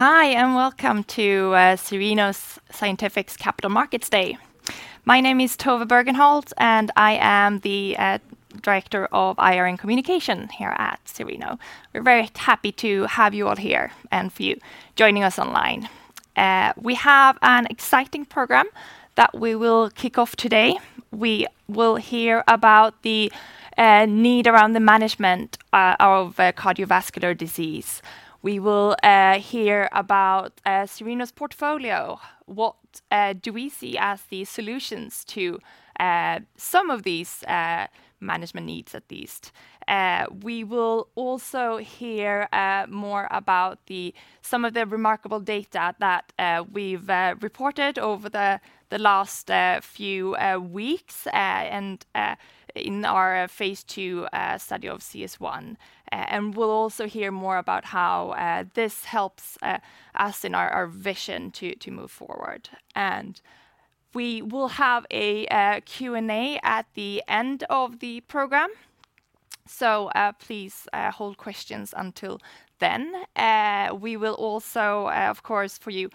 Hi, and welcome to Cereno Scientific's Capital Markets Day. My name is Tove Bergholt, and I am the Director of IR and Communication here at Cereno. We're very happy to have you all here, and for you joining us online. We have an exciting program that we will kick off today. We will hear about the need around the management of cardiovascular disease. We will hear about Cereno's portfolio, what do we see as the solutions to some of these management needs at least. We will also hear more about some of the remarkable data that we've reported over the last few weeks, and in our Phase II study of CS1. We'll also hear more about how this helps us in our vision to move forward. We will have a Q&A at the end of the program, so please hold questions until then. We will also, of course, for you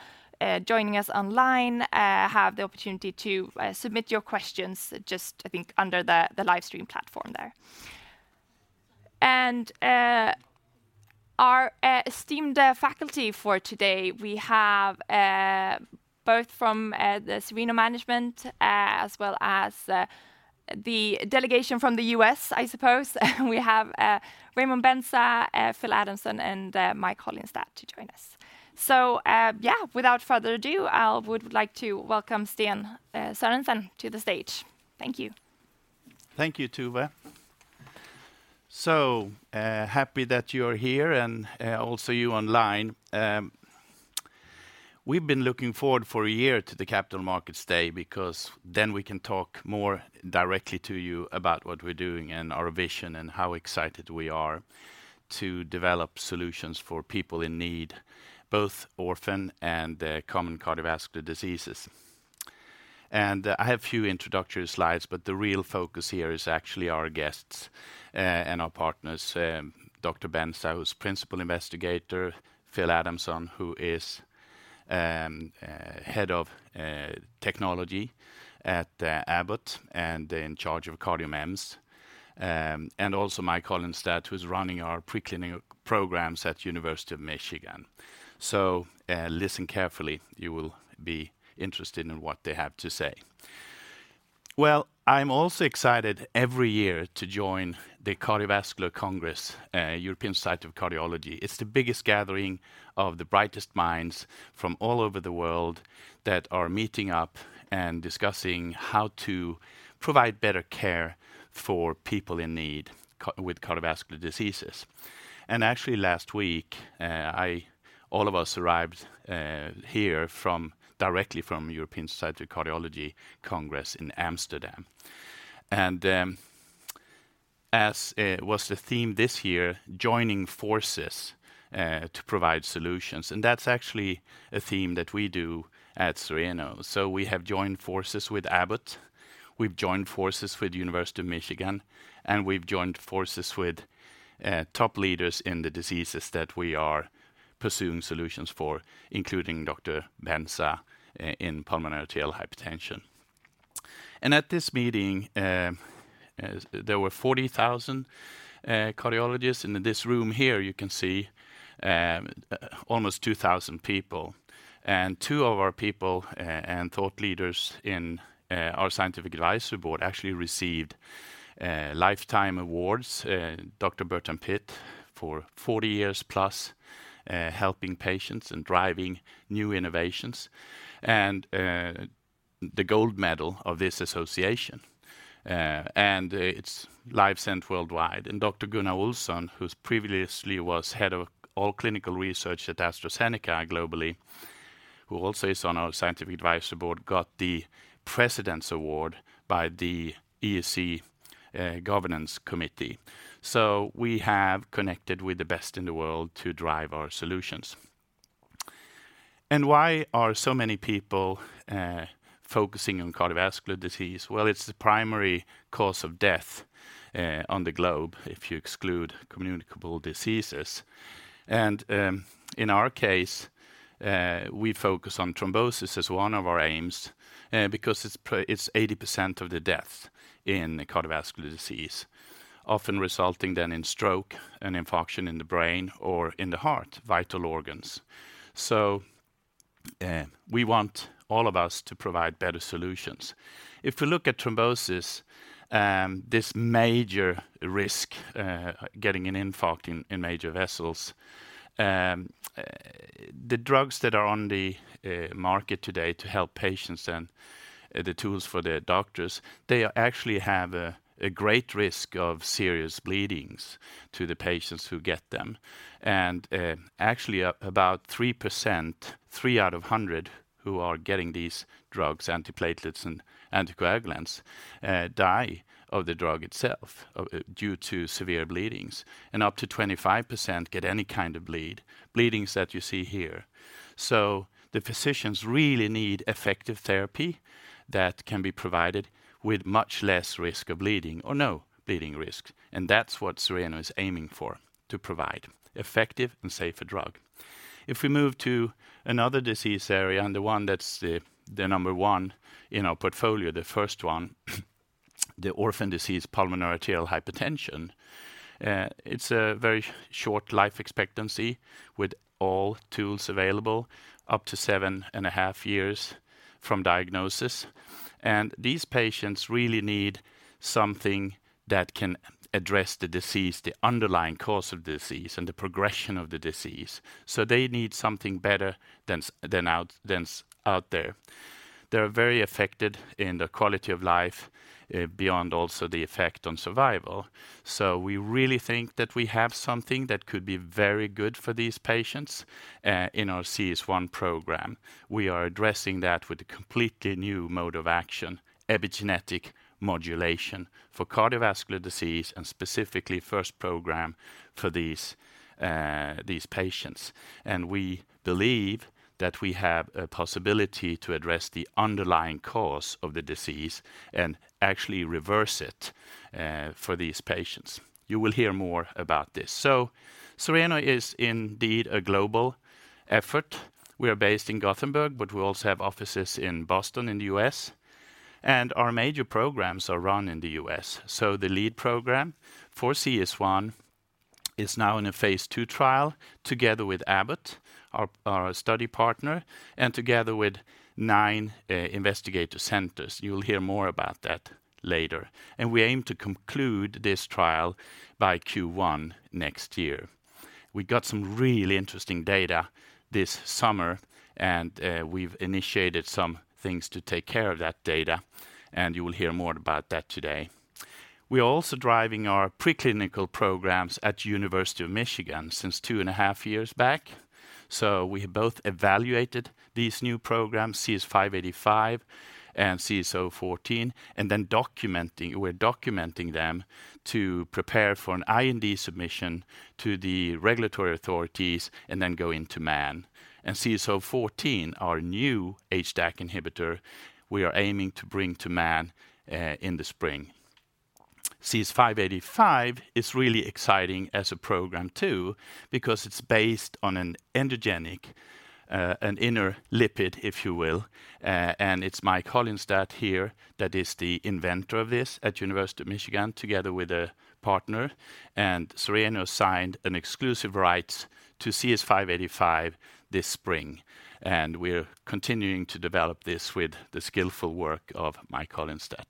joining us online, have the opportunity to submit your questions just, I think, under the live stream platform there. Our esteemed faculty for today, we have both from the Cereno management as well as the delegation from the U.S., I suppose. We have Raymond Benza, Phil Adamson, and Mike Holinstat to join us. Yeah, without further ado, I would like to welcome Sten Sörensen to the stage. Thank you. Thank you, Tove. So, happy that you're here and, also you online. We've been looking forward for a year to the Capital Markets Day because then we can talk more directly to you about what we're doing and our vision, and how excited we are to develop solutions for people in need, both orphan and, common cardiovascular diseases. And, I have a few introductory slides, but the real focus here is actually our guests, and our partners, Dr. Benza, who's Principal Investigator, Phil Adamson, who is, Head of, Technology at, Abbott, and in charge of CardioMEMS, and also Mike Holinstat, who is running our pre-clinical programs at University of Michigan. So, listen carefully, you will be interested in what they have to say. Well, I'm also excited every year to join the Cardiovascular Congress, European Society of Cardiology. It's the biggest gathering of the brightest minds from all over the world that are meeting up and discussing how to provide better care for people in need with cardiovascular diseases. And actually, last week, all of us arrived here directly from European Society of Cardiology Congress in Amsterdam. And, as was the theme this year, joining forces to provide solutions, and that's actually a theme that we do at Cereno. So we have joined forces with Abbott, we've joined forces with University of Michigan, and we've joined forces with top leaders in the diseases that we are pursuing solutions for, including Dr. Benza in pulmonary arterial hypertension. At this meeting, there were 40,000 cardiologists, and in this room here, you can see almost 2,000 people. Two of our people and thought leaders in our Scientific Advisory Board actually received lifetime awards. Dr. Bertram Pitt, for 40 years plus helping patients and driving new innovations, and the gold medal of this association, and it's live sent worldwide. Dr. Gunnar Olsson, who's previously was Head of all clinical research at AstraZeneca globally, who also is on our Scientific Advisory Board, got the President's Award by the ESC Governance Committee. So we have connected with the best in the world to drive our solutions. Why are so many people focusing on cardiovascular disease? Well, it's the primary cause of death on the globe if you exclude communicable diseases. In our case, we focus on thrombosis as one of our aims, because it's 80% of the death in cardiovascular disease, often resulting then in stroke and infarction in the brain or in the heart, vital organs. We want all of us to provide better solutions. If we look at thrombosis, this major risk, getting an infarct in major vessels, the drugs that are on the market today to help patients and the tools for the doctors, they actually have a great risk of serious bleedings to the patients who get them. Actually, about 3%, 3% out of 100%, who are getting these drugs, antiplatelets and anticoagulants, die of the drug itself, due to severe bleedings, and up to 25% get any kind of bleed, bleedings that you see here. So the physicians really need effective therapy that can be provided with much less risk of bleeding or no bleeding risk, and that's what Cereno is aiming for, to provide effective and safer drug. If we move to another disease area, and the one that's the, the number one in our portfolio, the first one,... the orphan disease, pulmonary arterial hypertension, it's a very short life expectancy with all tools available up to 7.5 years from diagnosis. These patients really need something that can address the disease, the underlying cause of the disease, and the progression of the disease. So they need something better than what's out there. They're very affected in the quality of life, beyond also the effect on survival. So we really think that we have something that could be very good for these patients, in our CS1 program. We are addressing that with a completely new mode of action, epigenetic modulation, for cardiovascular disease and specifically first program for these, these patients. And we believe that we have a possibility to address the underlying cause of the disease and actually reverse it, for these patients. You will hear more about this. So Cereno is indeed a global effort. We are based in Gothenburg, but we also have offices in Boston, in the US, and our major programs are run in the US. So the lead program for CS1 is now in a Phase 2 trial, together with Abbott, our study partner, and together with 9 investigator centers. You will hear more about that later. We aim to conclude this trial by Q1 next year. We got some really interesting data this summer, and we've initiated some things to take care of that data, and you will hear more about that today. We are also driving our preclinical programs at University of Michigan since 2.5 years back. So we have both evaluated these new programs, CS585 and CS014, and then we're documenting them to prepare for an IND submission to the regulatory authorities and then go into man. And CS014, our new HDAC inhibitor, we are aiming to bring to man in the spring. CS585 is really exciting as a program, too, because it's based on an endogenic, an inner lipid, if you will. And it's Mike Holinstat here, that is the inventor of this at University of Michigan, together with a partner, and Cereno signed an exclusive rights to CS585 this spring, and we're continuing to develop this with the skillful work of Mike Holinstat.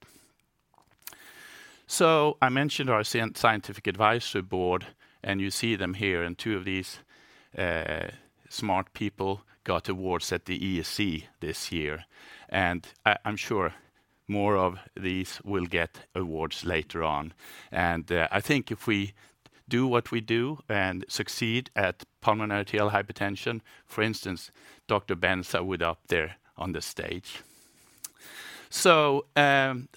So I mentioned our scientific advisory board, and you see them here, and two of these smart people got awards at the ESC this year, and I, I'm sure more of these will get awards later on. I think if we do what we do and succeed at pulmonary arterial hypertension, for instance, Dr. Benza would up there on the stage. So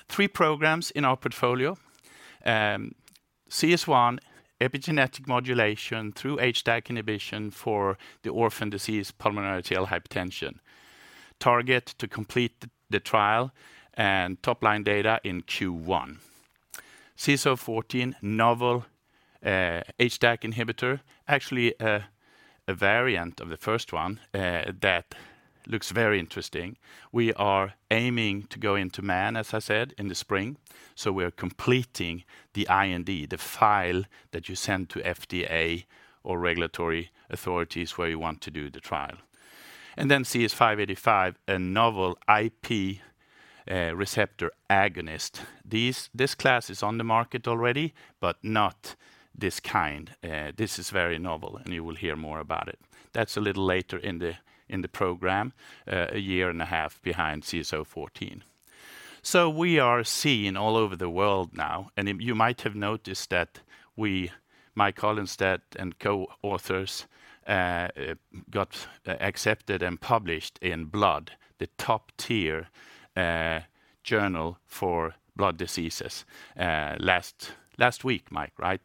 three programs in our portfolio. CS1, epigenetic modulation through HDAC inhibition for the orphan disease, pulmonary arterial hypertension. Target to complete the trial and top-line data in Q1. CS014, novel, HDAC inhibitor. Actually, a variant of the first one, that looks very interesting. We are aiming to go into man, as I said, in the spring. So we're completing the IND, the file that you send to FDA or regulatory authorities where you want to do the trial. And then CS585, a novel IP receptor agonist. These, this class is on the market already, but not this kind. This is very novel, and you will hear more about it. That's a little later in the program, a year and a half behind CS014. So we are seen all over the world now, and you might have noticed that we, Mike Holinstat and co-authors, got accepted and published in Blood, the top-tier journal for blood diseases, last week, Mike, right?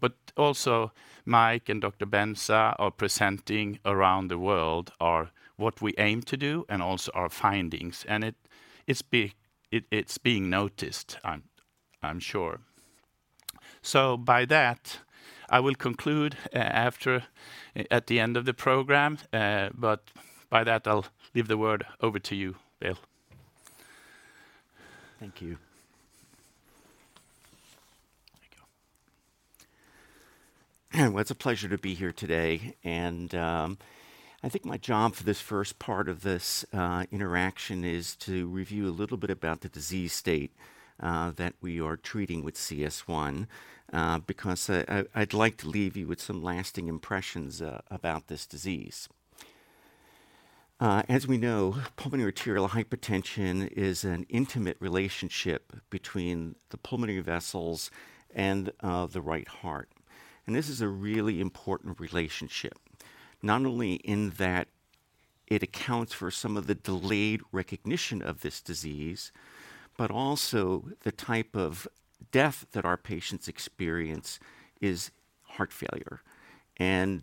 But also Mike and Dr. Benza are presenting around the world our, what we aim to do and also our findings. And it's being noticed, I'm sure. By that, I will conclude at the end of the program, but by that, I'll leave the word over to you, Bill. Thank you. There you go. Well, it's a pleasure to be here today, and I think my job for this first part of this interaction is to review a little bit about the disease state that we are treating with CS1, because I'd like to leave you with some lasting impressions about this disease. As we know, pulmonary arterial hypertension is an intimate relationship between the pulmonary vessels and the right heart. And this is a really important relationship, not only in that it accounts for some of the delayed recognition of this disease, but also the type of death that our patients experience is heart failure.... And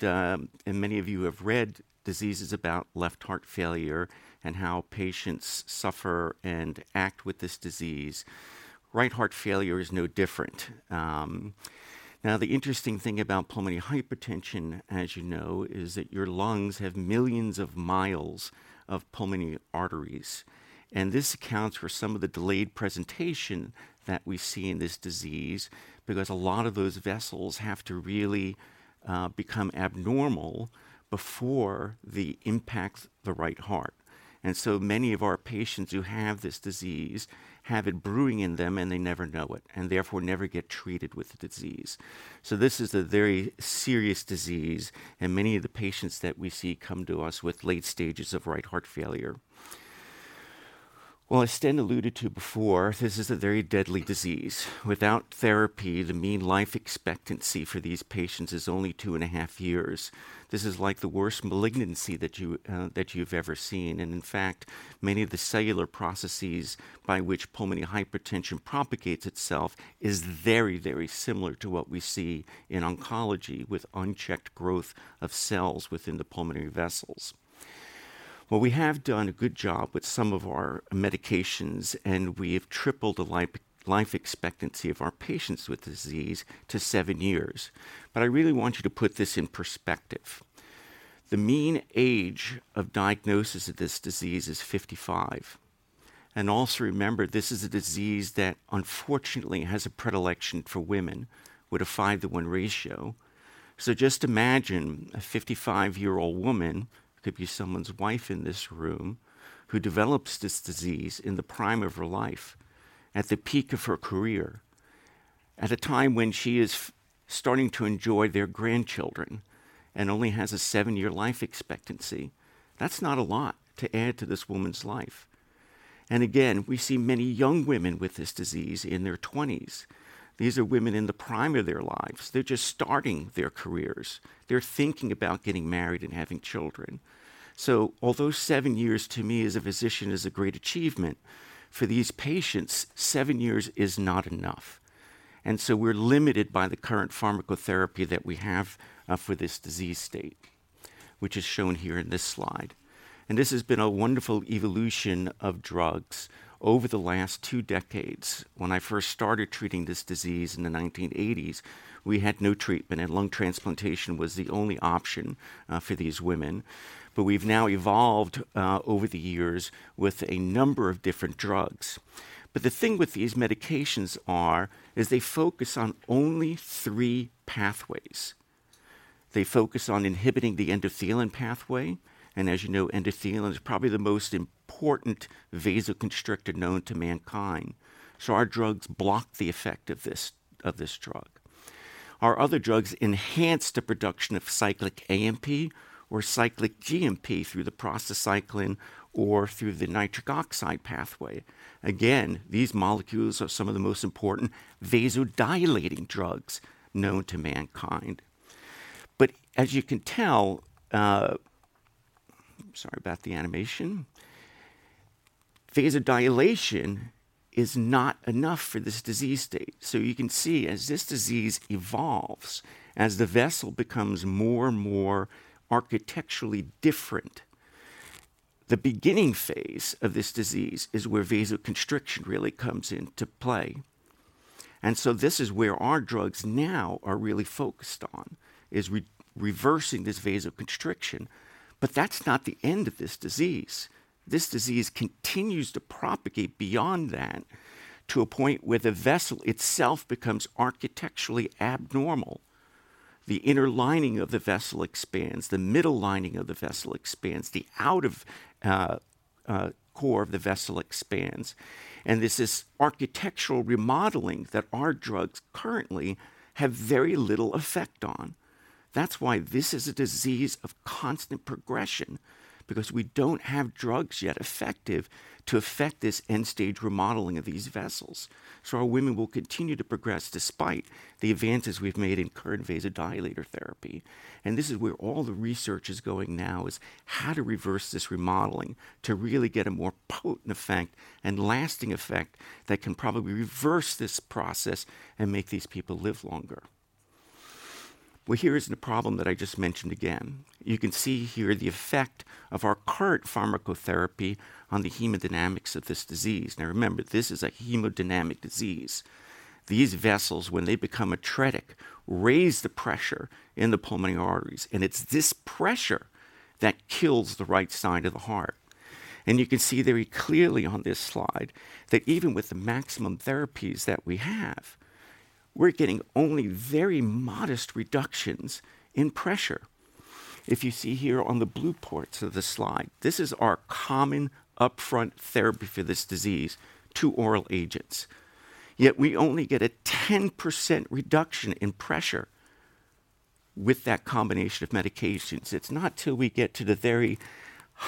many of you have read diseases about left heart failure and how patients suffer and act with this disease. Right heart failure is no different. Now, the interesting thing about pulmonary hypertension, as you know, is that your lungs have millions of miles of pulmonary arteries, and this accounts for some of the delayed presentation that we see in this disease, because a lot of those vessels have to really become abnormal before they impact the right heart. And so many of our patients who have this disease have it brewing in them, and they never know it, and therefore never get treated for the disease. So this is a very serious disease, and many of the patients that we see come to us with late stages of right heart failure. Well, as Sten alluded to before, this is a very deadly disease. Without therapy, the mean life expectancy for these patients is only 2.5 years. This is like the worst malignancy that you, that you've ever seen. In fact, many of the cellular processes by which pulmonary hypertension propagates itself is very, very similar to what we see in oncology, with unchecked growth of cells within the pulmonary vessels. Well, we have done a good job with some of our medications, and we have tripled the life expectancy of our patients with the disease to 7 years. But I really want you to put this in perspective. The mean age of diagnosis of this disease is 55. Also remember, this is a disease that unfortunately has a predilection for women with a 5-to-1 ratio. So just imagine a 55-year-old woman, could be someone's wife in this room, who develops this disease in the prime of her life, at the peak of her career, at a time when she is starting to enjoy their grandchildren and only has a 7-year life expectancy. That's not a lot to add to this woman's life. And again, we see many young women with this disease in their twenties. These are women in the prime of their lives. They're just starting their careers. They're thinking about getting married and having children. So although seven years to me as a physician is a great achievement, for these patients, seven years is not enough. And so we're limited by the current pharmacotherapy that we have for this disease state, which is shown here in this slide. And this has been a wonderful evolution of drugs over the last two decades. When I first started treating this disease in the 1980s, we had no treatment, and lung transplantation was the only option for these women. But we've now evolved over the years with a number of different drugs. But the thing with these medications are, is they focus on only three pathways. They focus on inhibiting the endothelin pathway, and as you know, endothelin is probably the most important vasoconstrictor known to mankind. So our drugs block the effect of this drug. Our other drugs enhance the production of cyclic AMP or cyclic GMP through the prostacyclin or through the nitric oxide pathway. Again, these molecules are some of the most important vasodilating drugs known to mankind. But as you can tell, sorry about the animation. Vasodilation is not enough for this disease state. So you can see as this disease evolves, as the vessel becomes more and more architecturally different, the beginning phase of this disease is where vasoconstriction really comes into play. And so this is where our drugs now are really focused on, is reversing this vasoconstriction. But that's not the end of this disease. This disease continues to propagate beyond that, to a point where the vessel itself becomes architecturally abnormal. The inner lining of the vessel expands, the middle lining of the vessel expands, the outer core of the vessel expands. And this is architectural remodeling that our drugs currently have very little effect on. That's why this is a disease of constant progression, because we don't have drugs yet effective to affect this end-stage remodeling of these vessels. So our women will continue to progress despite the advances we've made in current vasodilator therapy. And this is where all the research is going now, is how to reverse this remodeling to really get a more potent effect and lasting effect that can probably reverse this process and make these people live longer. Well, here is the problem that I just mentioned again. You can see here the effect of our current pharmacotherapy on the hemodynamics of this disease. Now, remember, this is a hemodynamic disease. These vessels, when they become atretic, raise the pressure in the pulmonary arteries, and it's this pressure that kills the right side of the heart. You can see very clearly on this slide that even with the maximum therapies that we have, we're getting only very modest reductions in pressure. If you see here on the blue parts of the slide, this is our common upfront therapy for this disease, two oral agents. Yet we only get a 10% reduction in pressure with that combination of medications. It's not till we get to the very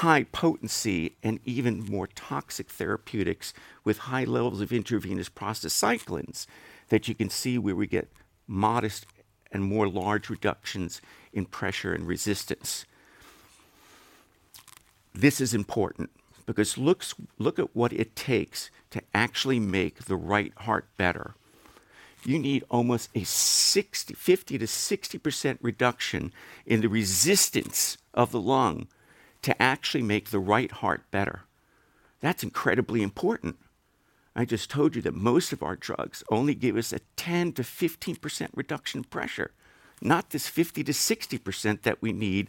high potency and even more toxic therapeutics with high levels of intravenous prostacyclins, that you can see where we get modest and more large reductions in pressure and resistance. This is important, because looks, look at what it takes to actually make the right heart better. You need almost a 50%-60% reduction in the resistance of the lung to actually make the right heart better. That's incredibly important. I just told you that most of our drugs only give us a 10%-15% reduction in pressure, not this 50%-60% that we need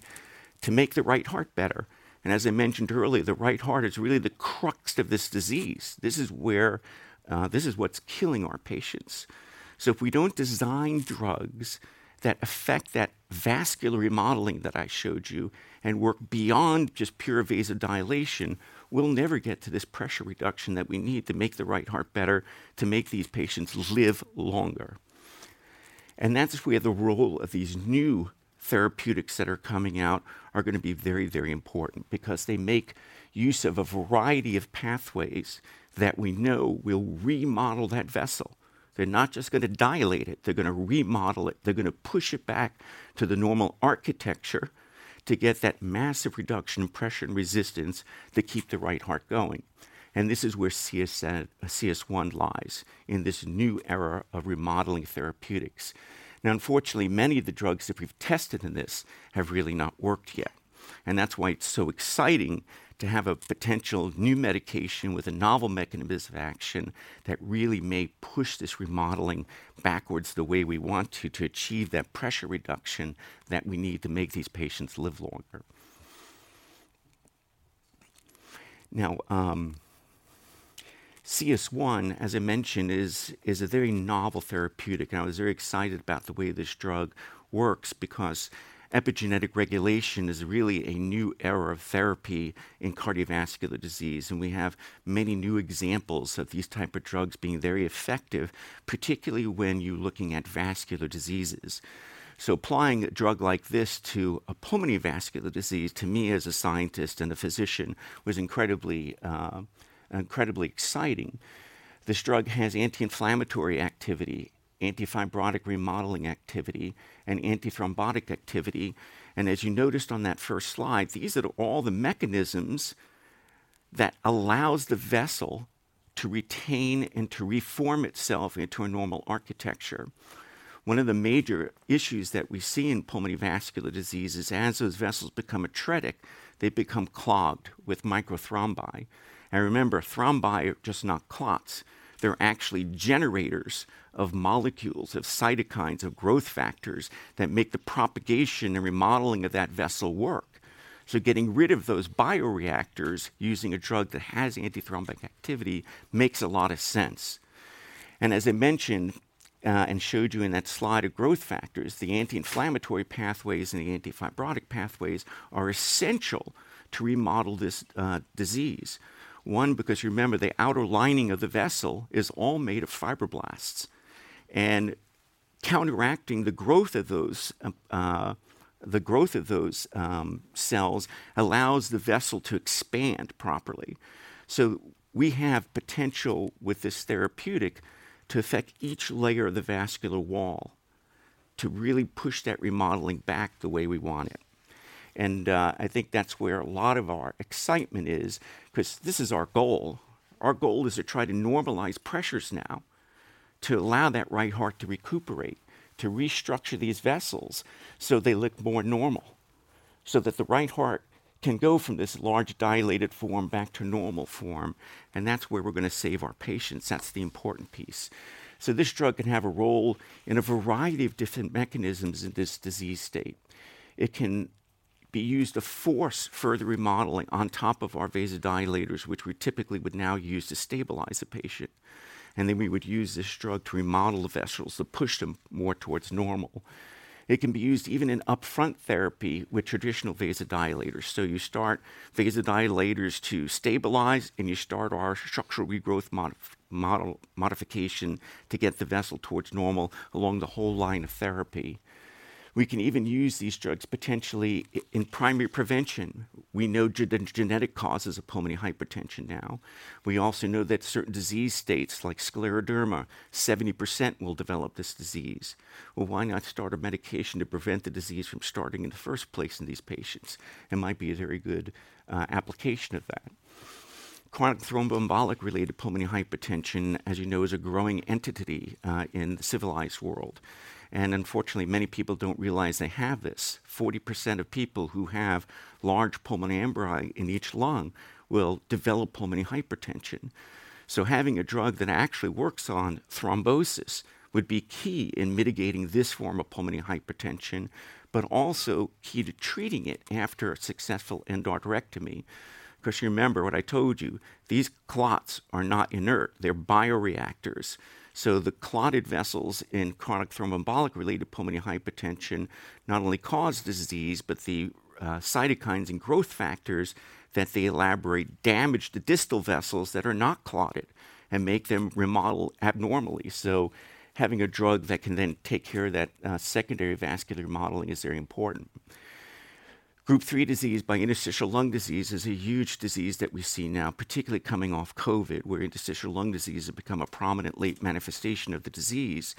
to make the right heart better. And as I mentioned earlier, the right heart is really the crux of this disease. This is where, this is what's killing our patients. So if we don't design drugs that affect that vascular remodeling that I showed you and work beyond just pure vasodilation, we'll never get to this pressure reduction that we need to make the right heart better, to make these patients live longer. And that's where the role of these new therapeutics that are coming out are going to be very, very important because they make use of a variety of pathways that we know will remodel that vessel. They're not just going to dilate it, they're going to remodel it. They're going to push it back to the normal architecture to get that massive reduction in pressure and resistance to keep the right heart going. And this is where CS1 lies, in this new era of remodeling therapeutics. Now, unfortunately, many of the drugs that we've tested in this have really not worked yet, and that's why it's so exciting to have a potential new medication with a novel mechanism of action that really may push this remodeling backwards the way we want to, to achieve that pressure reduction that we need to make these patients live longer. Now, CS1, as I mentioned, is a very novel therapeutic, and I was very excited about the way this drug works because epigenetic regulation is really a new era of therapy in cardiovascular disease. We have many new examples of these type of drugs being very effective, particularly when you're looking at vascular diseases. Applying a drug like this to a pulmonary vascular disease, to me, as a scientist and a physician, was incredibly, incredibly exciting. This drug has anti-inflammatory activity, antifibrotic remodeling activity, and antithrombotic activity. As you noticed on that first slide, these are all the mechanisms that allows the vessel to retain and to reform itself into a normal architecture. One of the major issues that we see in pulmonary vascular disease is as those vessels become atretic, they become clogged with microthrombi. And remember, thrombi are just not clots, they're actually generators of molecules, of cytokines, of growth factors that make the propagation and remodeling of that vessel work. So getting rid of those bioreactors using a drug that has antithrombotic activity makes a lot of sense. And as I mentioned, and showed you in that slide of growth factors, the anti-inflammatory pathways and the antifibrotic pathways are essential to remodel this, disease. One, because you remember, the outer lining of the vessel is all made of fibroblasts, and counteracting the growth of those cells allows the vessel to expand properly. So we have potential with this therapeutic to affect each layer of the vascular wall, to really push that remodeling back the way we want it. And, I think that's where a lot of our excitement is, 'cause this is our goal. Our goal is to try to normalize pressures now, to allow that right heart to recuperate, to restructure these vessels so they look more normal, so that the right heart can go from this large, dilated form back to normal form, and that's where we're going to save our patients. That's the important piece. So this drug can have a role in a variety of different mechanisms in this disease state. It can be used to force further remodeling on top of our vasodilators, which we typically would now use to stabilize the patient, and then we would use this drug to remodel the vessels, to push them more towards normal. It can be used even in upfront therapy with traditional vasodilators. So you start vasodilators to stabilize, and you start our structural regrowth modification to get the vessel towards normal along the whole line of therapy. We can even use these drugs potentially in primary prevention. We know the genetic causes of pulmonary hypertension now. We also know that certain disease states, like scleroderma, 70% will develop this disease. Well, why not start a medication to prevent the disease from starting in the first place in these patients? It might be a very good application of that. Chronic thromboembolic pulmonary hypertension, as you know, is a growing entity in the civilized world, and unfortunately, many people don't realize they have this. 40% of people who have large pulmonary emboli in each lung will develop pulmonary hypertension. So having a drug that actually works on thrombosis would be key in mitigating this form of pulmonary hypertension, but also key to treating it after a successful endarterectomy. Because you remember what I told you, these clots are not inert, they're bioreactors. So the clotted vessels in chronic thromboembolic pulmonary hypertension not only cause the disease, but the cytokines and growth factors that they elaborate damage the distal vessels that are not clotted and make them remodel abnormally. So having a drug that can then take care of that secondary vascular remodeling is very important... Group three disease by interstitial lung disease is a huge disease that we see now, particularly coming off COVID, where interstitial lung disease has become a prominent late manifestation of the disease.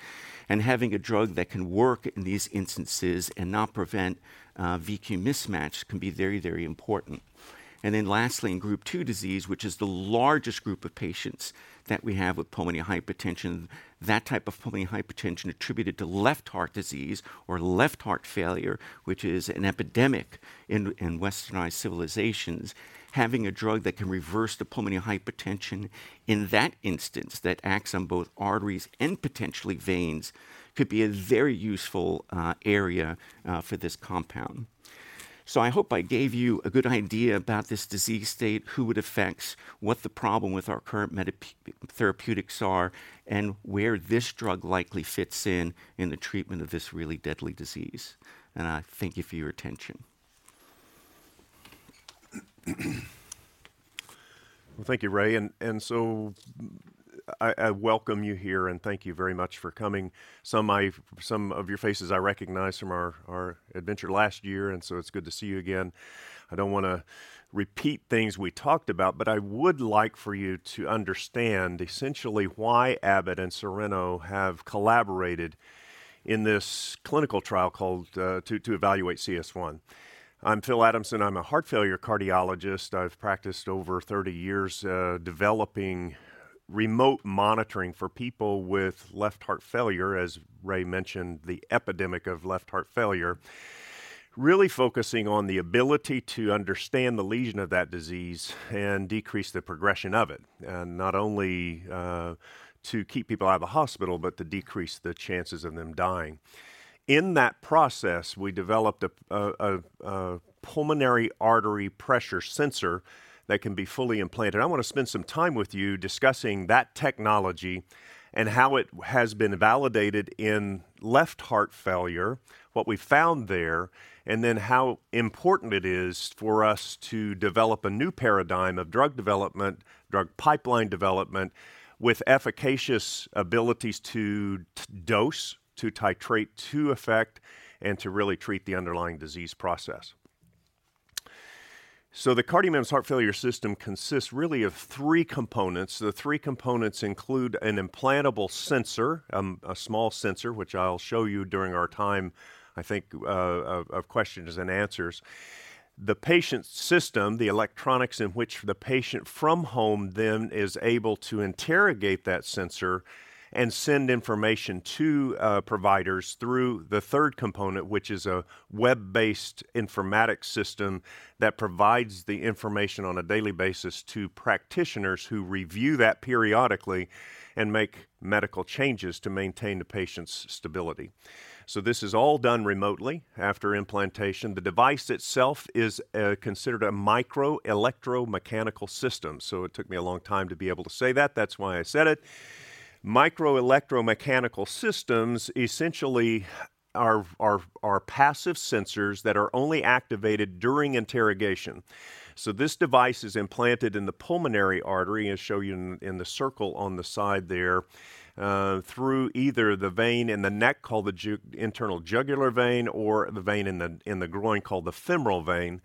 And having a drug that can work in these instances and not prevent VQ mismatch can be very, very important. And then lastly, in group two disease, which is the largest group of patients that we have with pulmonary hypertension, that type of pulmonary hypertension attributed to left heart disease or left heart failure, which is an epidemic in Westernized civilizations, having a drug that can reverse the pulmonary hypertension in that instance, that acts on both arteries and potentially veins, could be a very useful area for this compound. I hope I gave you a good idea about this disease state, who it affects, what the problem with our current therapeutics are, and where this drug likely fits in the treatment of this really deadly disease. I thank you for your attention. Well, thank you, Ray. And so I welcome you here, and thank you very much for coming. Some of your faces I recognize from our adventure last year, and so it's good to see you again. I don't wanna repeat things we talked about, but I would like for you to understand essentially why Abbott and Cereno have collaborated in this clinical trial called to evaluate CS1. I'm Phil Adamson. I'm a heart failure cardiologist. I've practiced over 30 years developing remote monitoring for people with left heart failure, as Ray mentioned, the epidemic of left heart failure. Really focusing on the ability to understand the lesion of that disease and decrease the progression of it, and not only to keep people out of the hospital, but to decrease the chances of them dying. In that process, we developed a pulmonary artery pressure sensor that can be fully implanted. I want to spend some time with you discussing that technology and how it has been validated in left heart failure, what we found there, and then how important it is for us to develop a new paradigm of drug development, drug pipeline development, with efficacious abilities to dose, to titrate, to effect, and to really treat the underlying disease process. So the CardioMEMS Heart Failure System consists really of three components. The three components include an implantable sensor, a small sensor, which I'll show you during our time, I think, of questions-and-answers. The patient's system, the electronics in which the patient from home then is able to interrogate that sensor and send information to providers through the third component, which is a web-based informatics system that provides the information on a daily basis to practitioners who review that periodically and make medical changes to maintain the patient's stability. So this is all done remotely after implantation. The device itself is considered a microelectromechanical system, so it took me a long time to be able to say that. That's why I said it. Microelectromechanical systems essentially are passive sensors that are only activated during interrogation. So this device is implanted in the pulmonary artery, as shown in the circle on the side there, through either the vein in the neck, called the internal jugular vein, or the vein in the groin, called the femoral vein.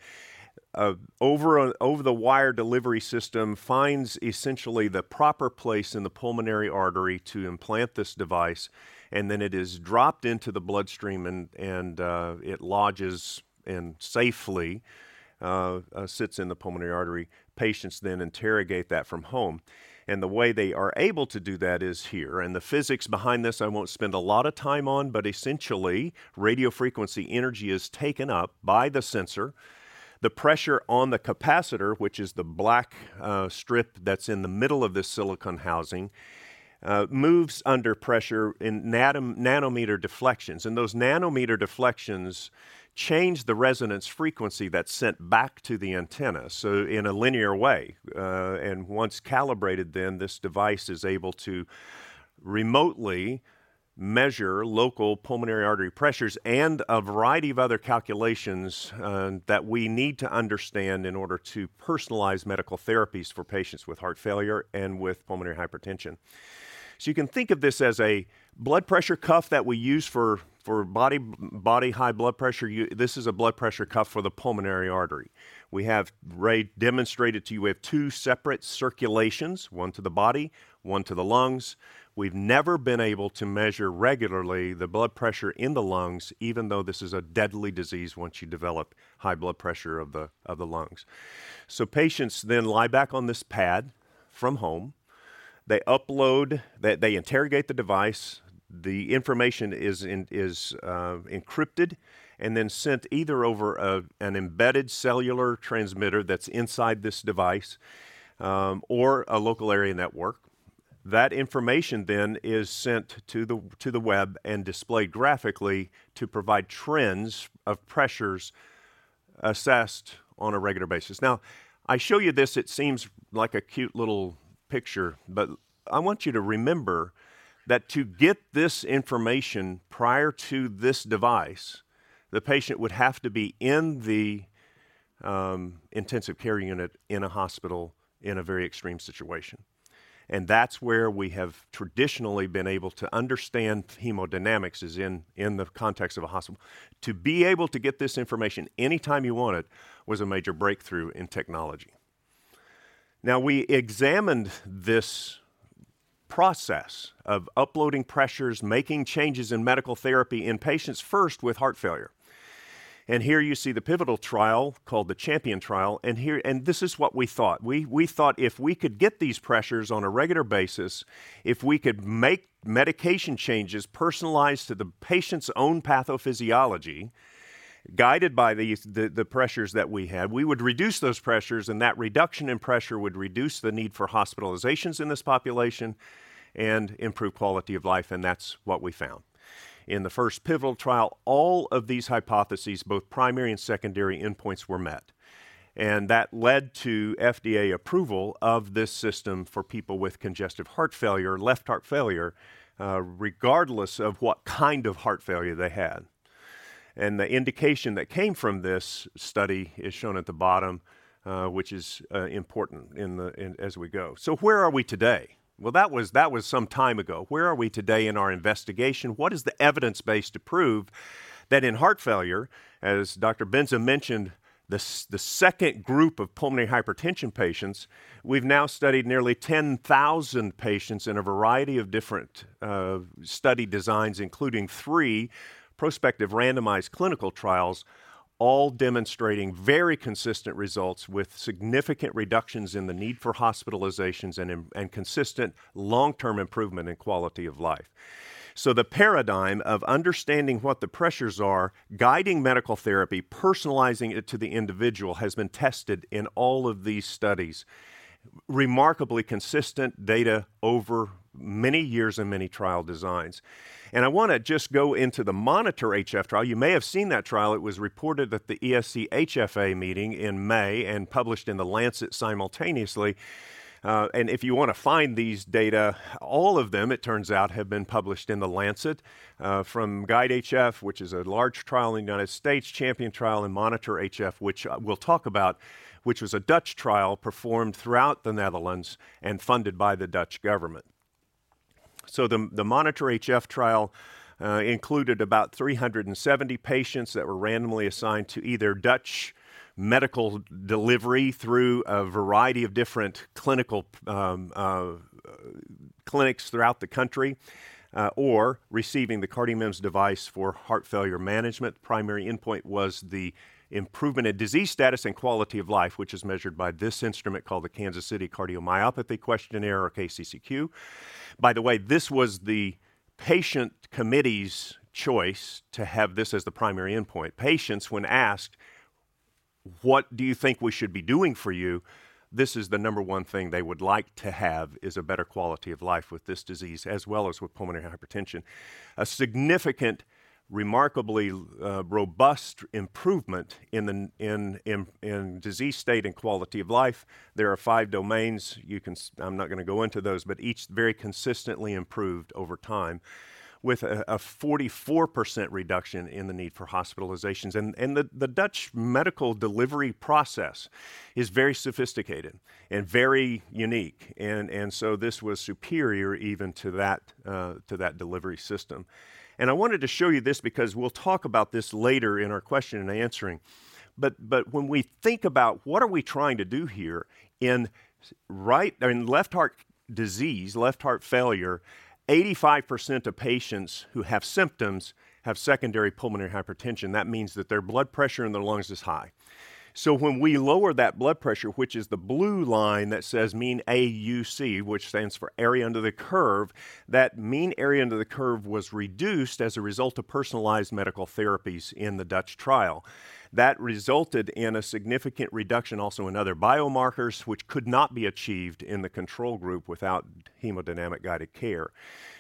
An over-the-wire delivery system finds essentially the proper place in the pulmonary artery to implant this device, and then it is dropped into the bloodstream and it lodges and safely sits in the pulmonary artery. Patients then interrogate that from home. And the way they are able to do that is here. And the physics behind this, I won't spend a lot of time on, but essentially, radiofrequency energy is taken up by the sensor. The pressure on the capacitor, which is the black strip that's in the middle of this silicon housing, moves under pressure in nanometer deflections. And those nanometer deflections change the resonance frequency that's sent back to the antenna, so in a linear way. And once calibrated, then this device is able to remotely measure local pulmonary artery pressures and a variety of other calculations that we need to understand in order to personalize medical therapies for patients with heart failure and with pulmonary hypertension. So you can think of this as a blood pressure cuff that we use for body high blood pressure. This is a blood pressure cuff for the pulmonary artery. We have, Ray demonstrated to you, we have two separate circulations, one to the body, one to the lungs. We've never been able to measure regularly the blood pressure in the lungs, even though this is a deadly disease once you develop high blood pressure of the, of the lungs. So patients then lie back on this pad from home. They upload... They, they interrogate the device. The information is in, is, encrypted and then sent either over a, an embedded cellular transmitter that's inside this device, or a local area network. That information then is sent to the, to the web and displayed graphically to provide trends of pressures assessed on a regular basis. Now, I show you this, it seems like a cute little picture, but I want you to remember that to get this information prior to this device, the patient would have to be in the intensive care unit in a hospital in a very extreme situation. That's where we have traditionally been able to understand hemodynamics, is in the context of a hospital. To be able to get this information anytime you want it, was a major breakthrough in technology. Now, we examined this process of uploading pressures, making changes in medical therapy in patients first with heart failure. And here you see the pivotal trial, called the CHAMPION trial, and here, and this is what we thought. We thought if we could get these pressures on a regular basis, if we could make medication changes personalized to the patient's own pathophysiology, guided by the pressures that we had, we would reduce those pressures, and that reduction in pressure would reduce the need for hospitalizations in this population and improve quality of life, and that's what we found. In the first pivotal trial, all of these hypotheses, both primary and secondary endpoints, were met. That led to FDA approval of this system for people with congestive heart failure, left heart failure, regardless of what kind of heart failure they had. The indication that came from this study is shown at the bottom, which is important in the, in as we go. Where are we today? Well, that was, that was some time ago. Where are we today in our investigation? What is the evidence base to prove that in heart failure, as Dr. Benza mentioned, the second group of pulmonary hypertension patients, we've now studied nearly 10,000 patients in a variety of different study designs, including three prospective randomized clinical trials, all demonstrating very consistent results with significant reductions in the need for hospitalizations and consistent long-term improvement in quality of life. So the paradigm of understanding what the pressures are, guiding medical therapy, personalizing it to the individual, has been tested in all of these studies. Remarkably consistent data over many years and many trial designs. I wanna just go into the MONITOR-HF trial. You may have seen that trial. It was reported at the ESC HFA meeting in May and published in The Lancet simultaneously. If you wanna find these data, all of them, it turns out, have been published in The Lancet from GUIDE-HF, which is a large trial in the United States, CHAMPION trial, and MONITOR-HF, which we'll talk about, which was a Dutch trial performed throughout the Netherlands and funded by the Dutch government. The MONITOR-HF trial included about 370 patients that were randomly assigned to either Dutch medical delivery through a variety of different clinical clinics throughout the country, or receiving the CardioMEMS device for heart failure management. The primary endpoint was the improvement in disease status and quality of life, which is measured by this instrument called the Kansas City Cardiomyopathy Questionnaire, or KCCQ. By the way, this was the patient committee's choice to have this as the primary endpoint. Patients, when asked: "What do you think we should be doing for you?" This is the number one thing they would like to have, is a better quality of life with this disease, as well as with pulmonary hypertension. A significant, remarkably, robust improvement in the disease state and quality of life. There are five domains. You can. I'm not gonna go into those, but each very consistently improved over time, with a 44% reduction in the need for hospitalizations. And the Dutch medical delivery process is very sophisticated and very unique, and so this was superior even to that delivery system. I wanted to show you this because we'll talk about this later in our question and answering. But when we think about what are we trying to do here, in right, in left heart disease, left heart failure, 85% of patients who have symptoms have secondary pulmonary hypertension. That means that their blood pressure in their lungs is high. So when we lower that blood pressure, which is the blue line that says mean AUC, which stands for area under the curve, that mean area under the curve was reduced as a result of personalized medical therapies in the Dutch trial. That resulted in a significant reduction also in other biomarkers, which could not be achieved in the control group without hemodynamic-guided care.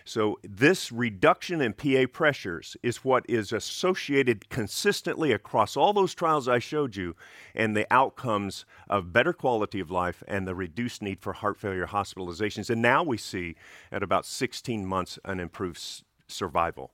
So this reduction in PA pressures is what is associated consistently across all those trials I showed you, and the outcomes of better quality of life and the reduced need for heart failure hospitalizations. Now we see, at about 16 months, an improved survival.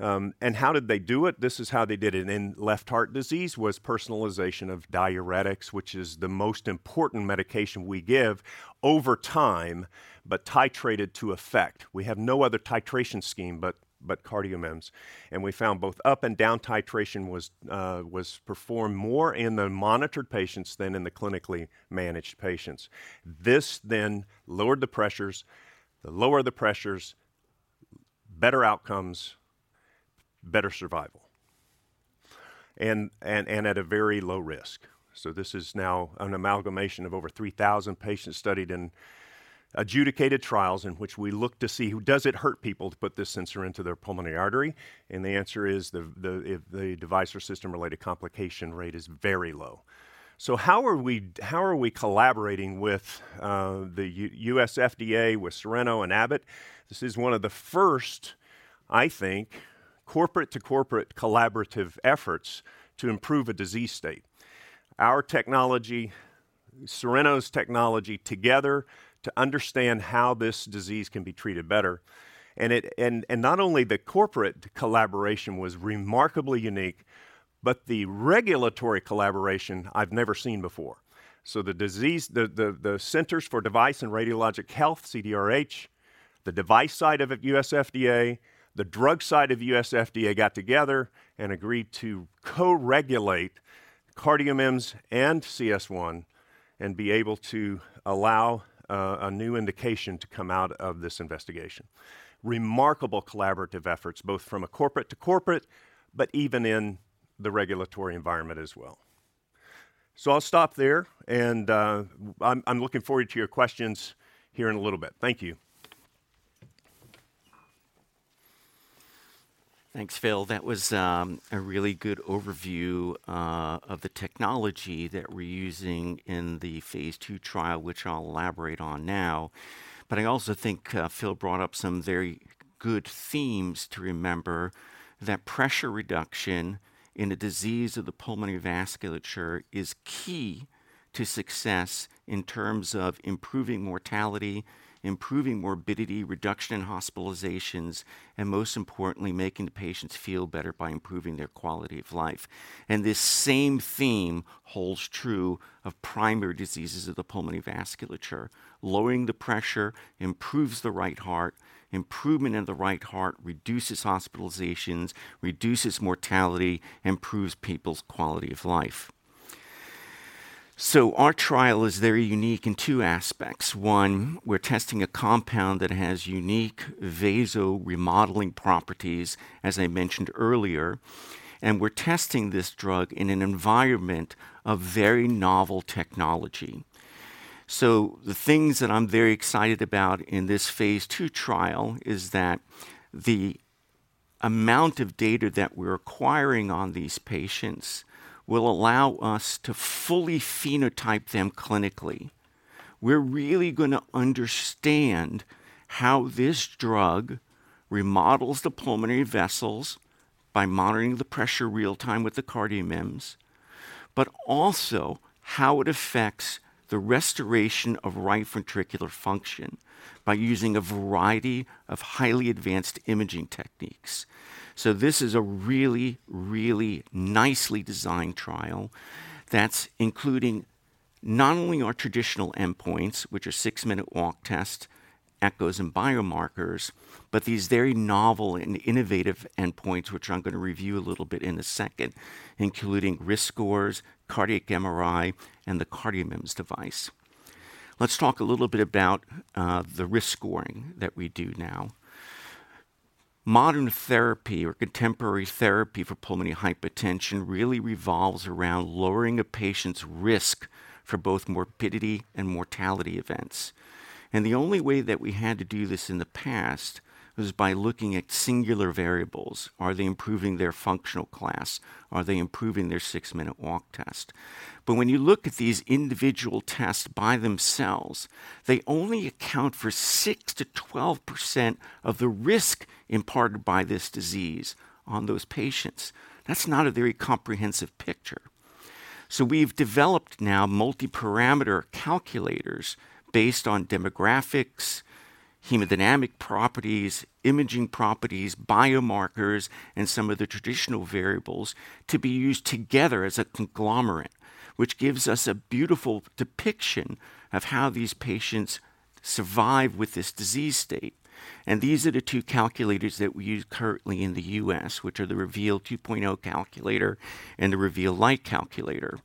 How did they do it? This is how they did it. In left heart disease was personalization of diuretics, which is the most important medication we give over time, but titrated to effect. We have no other titration scheme, but CardioMEMS, and we found both up and down titration was performed more in the monitored patients than in the clinically managed patients. This then lowered the pressures. The lower the pressures, better outcomes, better survival, and at a very low risk. So this is now an amalgamation of over 3,000 patients studied in adjudicated trials, in which we looked to see, well, does it hurt people to put this sensor into their pulmonary artery? And the answer is the device or system-related complication rate is very low. So how are we collaborating with the U.S. FDA, with Cereno and Abbott? This is one of the first, I think, corporate-to-corporate collaborative efforts to improve a disease state. Cereno's technology together to understand how this disease can be treated better. And not only the corporate collaboration was remarkably unique, but the regulatory collaboration I've never seen before. So the Center for Devices and Radiological Health, CDRH, the device side of the U.S. FDA, the drug side of U.S. FDA, got together and agreed to co-regulate CardioMEMS and CS1, and be able to allow a new indication to come out of this investigation. Remarkable collaborative efforts, both from a corporate to corporate, but even in the regulatory environment as well. So I'll stop there, and, I'm looking forward to your questions here in a little bit. Thank you. Thanks, Phil. That was a really good overview of the technology that we're using in the phase two trial, which I'll elaborate on now. But I also think Phil brought up some very good themes to remember, that pressure reduction in a disease of the pulmonary vasculature is key to success in terms of improving mortality, improving morbidity, reduction in hospitalizations, and most importantly, making the patients feel better by improving their quality of life. And this same theme holds true of primary diseases of the pulmonary vasculature. Lowering the pressure improves the right heart, improvement in the right heart reduces hospitalizations, reduces mortality, improves people's quality of life. So our trial is very unique in two aspects. One, we're testing a compound that has unique vasoremodeling properties, as I mentioned earlier, and we're testing this drug in an environment of very novel technology. So the things that I'm very excited about in this phase two trial is that the amount of data that we're acquiring on these patients will allow us to fully phenotype them clinically. We're really gonna understand how this drug remodels the pulmonary vessels by monitoring the pressure real-time with the CardioMEMS, but also how it affects the restoration of right ventricular function by using a variety of highly advanced imaging techniques. So this is a really, really nicely designed trial that's including not only our traditional endpoints, which are six-minute walk test, echoes and biomarkers, but these very novel and innovative endpoints, which I'm gonna review a little bit in a second, including risk scores, cardiac MRI, and the CardioMEMS device. Let's talk a little bit about the risk scoring that we do now. Modern therapy or contemporary therapy for pulmonary hypertension really revolves around lowering a patient's risk for both morbidity and mortality events. The only way that we had to do this in the past was by looking at singular variables. Are they improving their functional class? Are they improving their 6-minute walk test? When you look at these individual tests by themselves, they only account for 6%-12% of the risk imparted by this disease on those patients. That's not a very comprehensive picture. We've developed now multi-parameter calculators based on demographics, hemodynamic properties, imaging properties, biomarkers, and some of the traditional variables to be used together as a conglomerate, which gives us a beautiful depiction of how these patients survive with this disease state. These are the two calculators that we use currently in the U.S., which are the REVEAL 2.0 calculator and the REVEAL Lite calculator.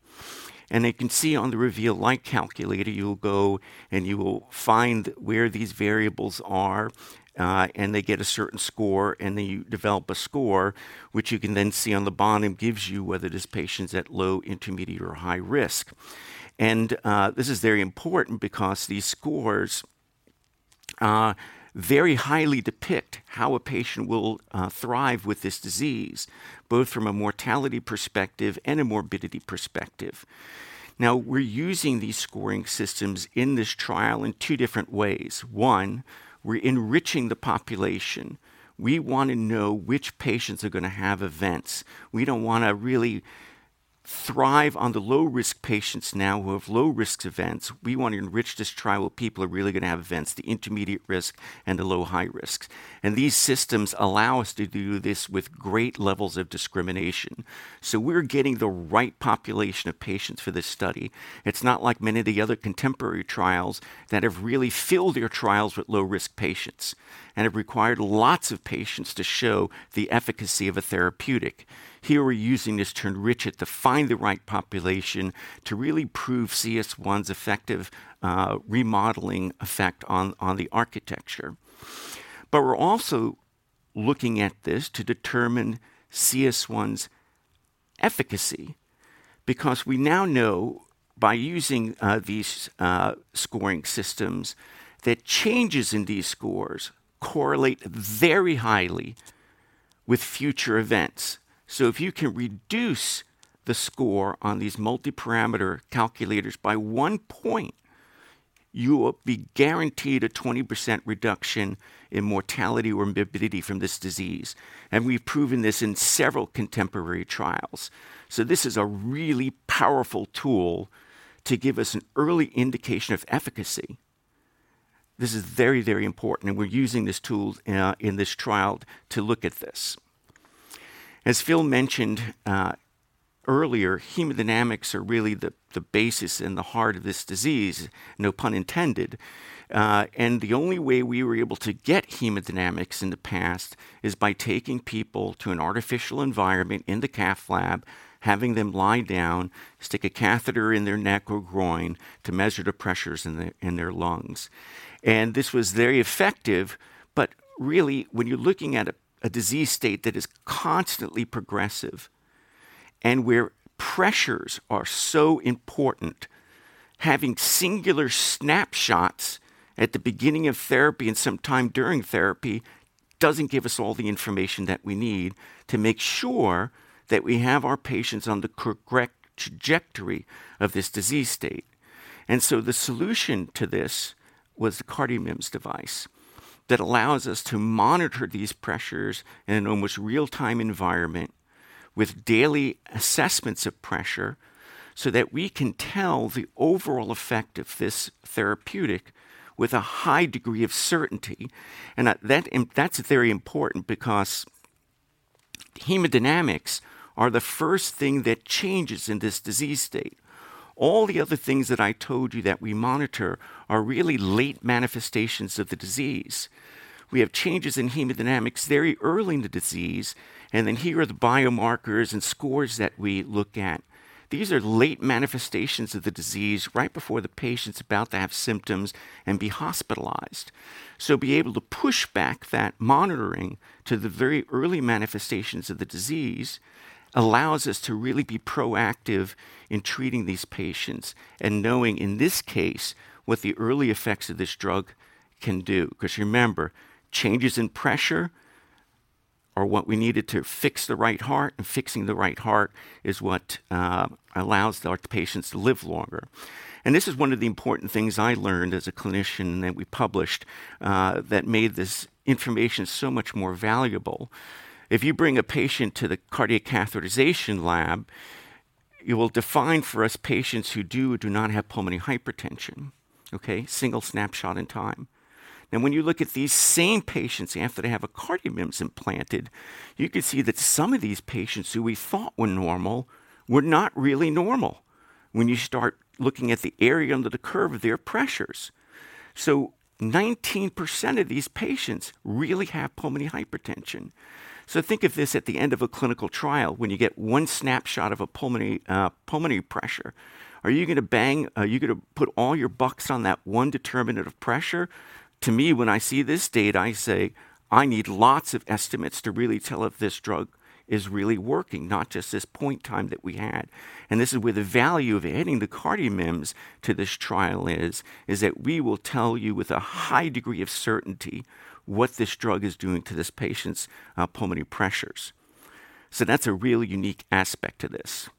You can see on the REVEAL Lite calculator, you'll go and you will find where these variables are, and they get a certain score, and then you develop a score, which you can then see on the bottom, gives you whether this patient's at low, intermediate, or high risk. This is very important because these scores very highly depict how a patient will thrive with this disease, both from a mortality perspective and a morbidity perspective. Now, we're using these scoring systems in this trial in two different ways. One, we're enriching the population. We wanna know which patients are gonna have events. We don't wanna really thrive on the low-risk patients now, who have low-risk events. We want to enrich this trial with people who are really gonna have events, the intermediate risk and the low/high risk. And these systems allow us to do this with great levels of discrimination. So we're getting the right population of patients for this study. It's not like many of the other contemporary trials that have really filled their trials with low-risk patients and have required lots of patients to show the efficacy of a therapeutic. Here, we're using this to enrich it, to find the right population, to really prove CS1's effective, remodeling effect on, on the architecture. But we're also looking at this to determine CS1's efficacy, because we now know, by using, these, scoring systems, that changes in these scores correlate very highly with future events. So if you can reduce the score on these multi-parameter calculators by one point-... You will be guaranteed a 20% reduction in mortality or morbidity from this disease. And we've proven this in several contemporary trials. So this is a really powerful tool to give us an early indication of efficacy. This is very, very important, and we're using this tool in this trial to look at this. As Phil mentioned earlier, hemodynamics are really the basis in the heart of this disease, no pun intended. And the only way we were able to get hemodynamics in the past is by taking people to an artificial environment in the cath lab, having them lie down, stick a catheter in their neck or groin to measure the pressures in their lungs. And this was very effective, but really, when you're looking at a disease state that is constantly progressive and where pressures are so important, having singular snapshots at the beginning of therapy and some time during therapy doesn't give us all the information that we need to make sure that we have our patients on the correct trajectory of this disease state. And so the solution to this was the CardioMEMS device that allows us to monitor these pressures in an almost real-time environment with daily assessments of pressure so that we can tell the overall effect of this therapeutic with a high degree of certainty. And that's very important because hemodynamics are the first thing that changes in this disease state. All the other things that I told you that we monitor are really late manifestations of the disease. We have changes in hemodynamics very early in the disease, and then here are the biomarkers and scores that we look at. These are late manifestations of the disease right before the patient's about to have symptoms and be hospitalized. Be able to push back that monitoring to the very early manifestations of the disease allows us to really be proactive in treating these patients and knowing, in this case, what the early effects of this drug can do. Because remember, changes in pressure are what we needed to fix the right heart, and fixing the right heart is what allows our patients to live longer. This is one of the important things I learned as a clinician that we published that made this information so much more valuable. If you bring a patient to the cardiac catheterization lab, you will define for us patients who do or do not have pulmonary hypertension, okay? Single snapshot in time. Now, when you look at these same patients after they have a CardioMEMS implanted, you can see that some of these patients who we thought were normal were not really normal when you start looking at the area under the curve of their pressures. So 19% of these patients really have pulmonary hypertension. So think of this at the end of a clinical trial, when you get one snapshot of a pulmonary, pulmonary pressure, are you gonna bang, are you gonna put all your bucks on that one determinant of pressure? To me, when I see this data, I say, "I need lots of estimates to really tell if this drug is really working, not just this point time that we had." And this is where the value of adding the CardioMEMS to this trial is, that we will tell you with a high degree of certainty what this drug is doing to this patient's pulmonary pressures. So that's a really unique aspect to this.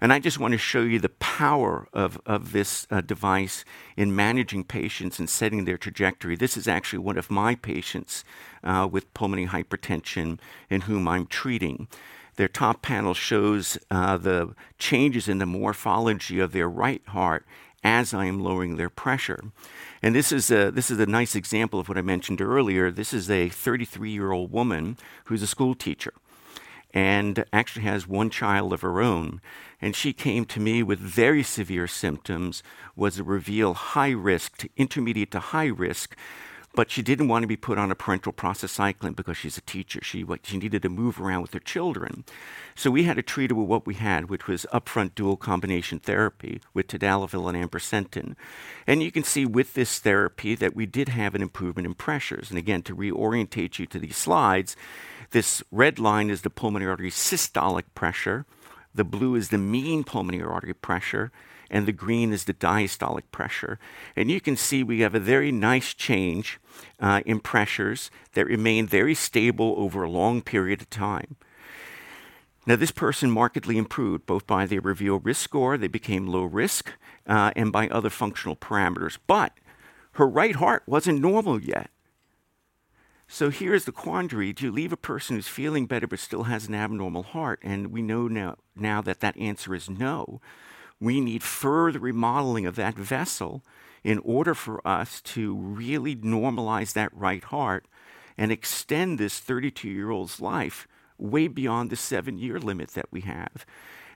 And I just want to show you the power of this device in managing patients and setting their trajectory. This is actually one of my patients with pulmonary hypertension and whom I'm treating. Their top panel shows the changes in the morphology of their right heart as I am lowering their pressure. And this is a nice example of what I mentioned earlier. This is a 33-year-old woman who's a schoolteacher and actually has one child of her own, and she came to me with very severe symptoms, was a REVEAL high risk to intermediate to high risk, but she didn't want to be put on a parenteral prostacyclin because she's a teacher. She needed to move around with her children. So we had to treat her with what we had, which was upfront dual combination therapy with tadalafil and ambrisentan. And you can see with this therapy that we did have an improvement in pressures. And again, to reorient you to these slides, this red line is the pulmonary artery systolic pressure, the blue is the mean pulmonary artery pressure, and the green is the diastolic pressure. You can see we have a very nice change in pressures that remain very stable over a long period of time. Now, this person markedly improved, both by their REVEAL risk score, they became low risk, and by other functional parameters. But her right heart wasn't normal yet. So here is the quandary: do you leave a person who's feeling better but still has an abnormal heart? And we know now, now that that answer is no. We need further remodeling of that vessel in order for us to really normalize that right heart and extend this 32-year-old's life way beyond the 7-year limit that we have.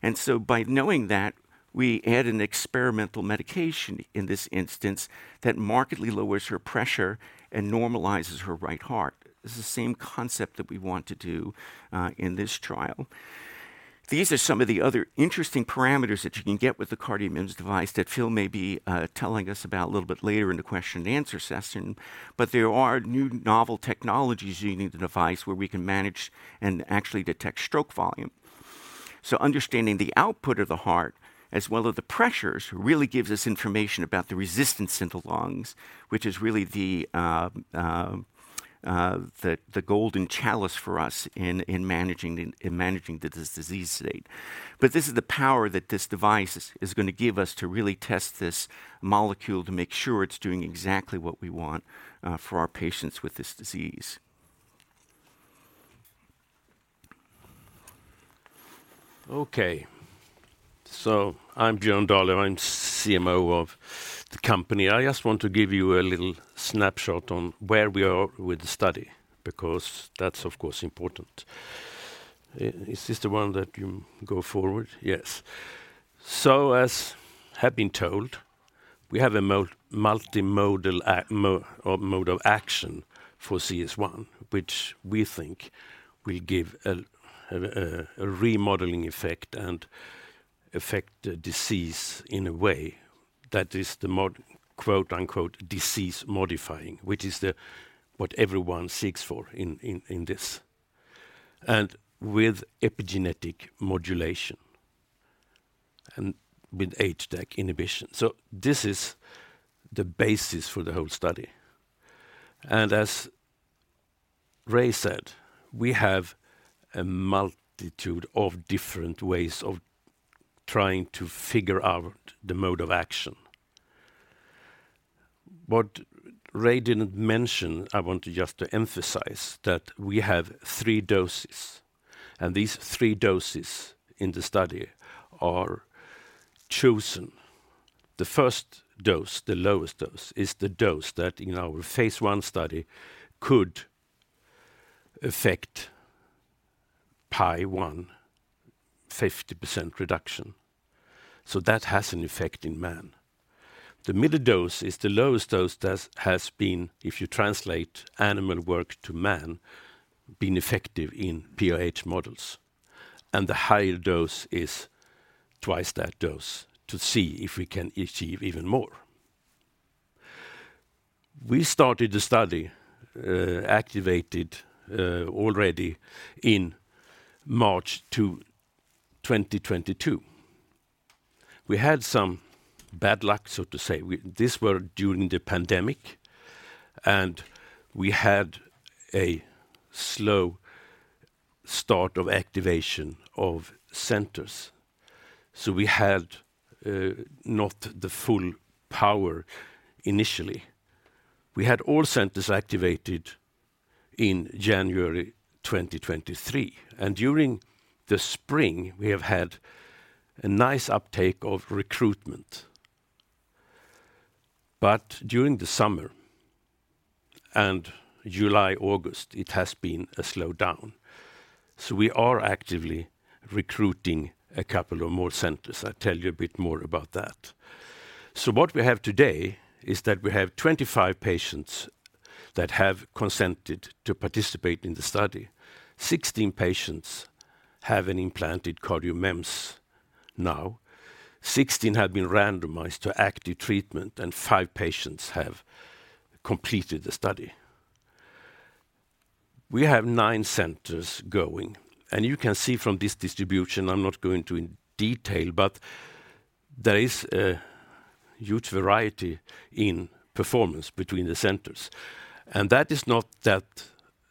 And so by knowing that, we add an experimental medication in this instance that markedly lowers her pressure and normalizes her right heart. This is the same concept that we want to do in this trial. These are some of the other interesting parameters that you can get with the CardioMEMS device that Phil may be telling us about a little bit later in the question-and-answer session. But there are new novel technologies using the device where we can manage and actually detect stroke volume. So understanding the output of the heart, as well as the pressures, really gives us information about the resistance in the lungs, which is really the golden chalice for us in managing this disease state. But this is the power that this device is going to give us to really test this molecule to make sure it's doing exactly what we want for our patients with this disease.... Okay. So I'm Björn Dahlöf, I'm CMO of the company. I just want to give you a little snapshot on where we are with the study, because that's, of course, important. Is this the one that you go forward? Yes. So as have been told, we have a multimodal mode of action for CS1, which we think will give a remodeling effect and affect the disease in a way that is the, quote, unquote, "disease modifying," which is what everyone seeks for in this, and with epigenetic modulation and with HDAC inhibition. So this is the basis for the whole study. And as Ray said, we have a multitude of different ways of trying to figure out the mode of action. What Ray didn't mention, I want just to emphasize that we have three doses, and these three doses in the study are chosen. The first dose, the lowest dose, is the dose that in our Phase I study could affect PAI-1, 50% reduction. So that has an effect in man. The middle dose is the lowest dose that has been, if you translate animal work to man, been effective in PAH models, and the higher dose is twice that dose to see if we can achieve even more. We started the study, activated, already in March 2022. We had some bad luck, so to say. This was during the pandemic, and we had a slow start of activation of centers. So we had not the full power initially. We had all centers activated in January 2023, and during the spring, we have had a nice uptake of recruitment. But during the summer, and July, August, it has been a slowdown, so we are actively recruiting a couple of more centers. I'll tell you a bit more about that. So what we have today is that we have 25 patients that have consented to participate in the study. 16 patients have an implanted CardioMEMS now, 16 have been randomized to active treatment, and five patients have completed the study. We have nine centers going, and you can see from this distribution, I'm not going into detail, but there is a huge variety in performance between the centers. And that is not that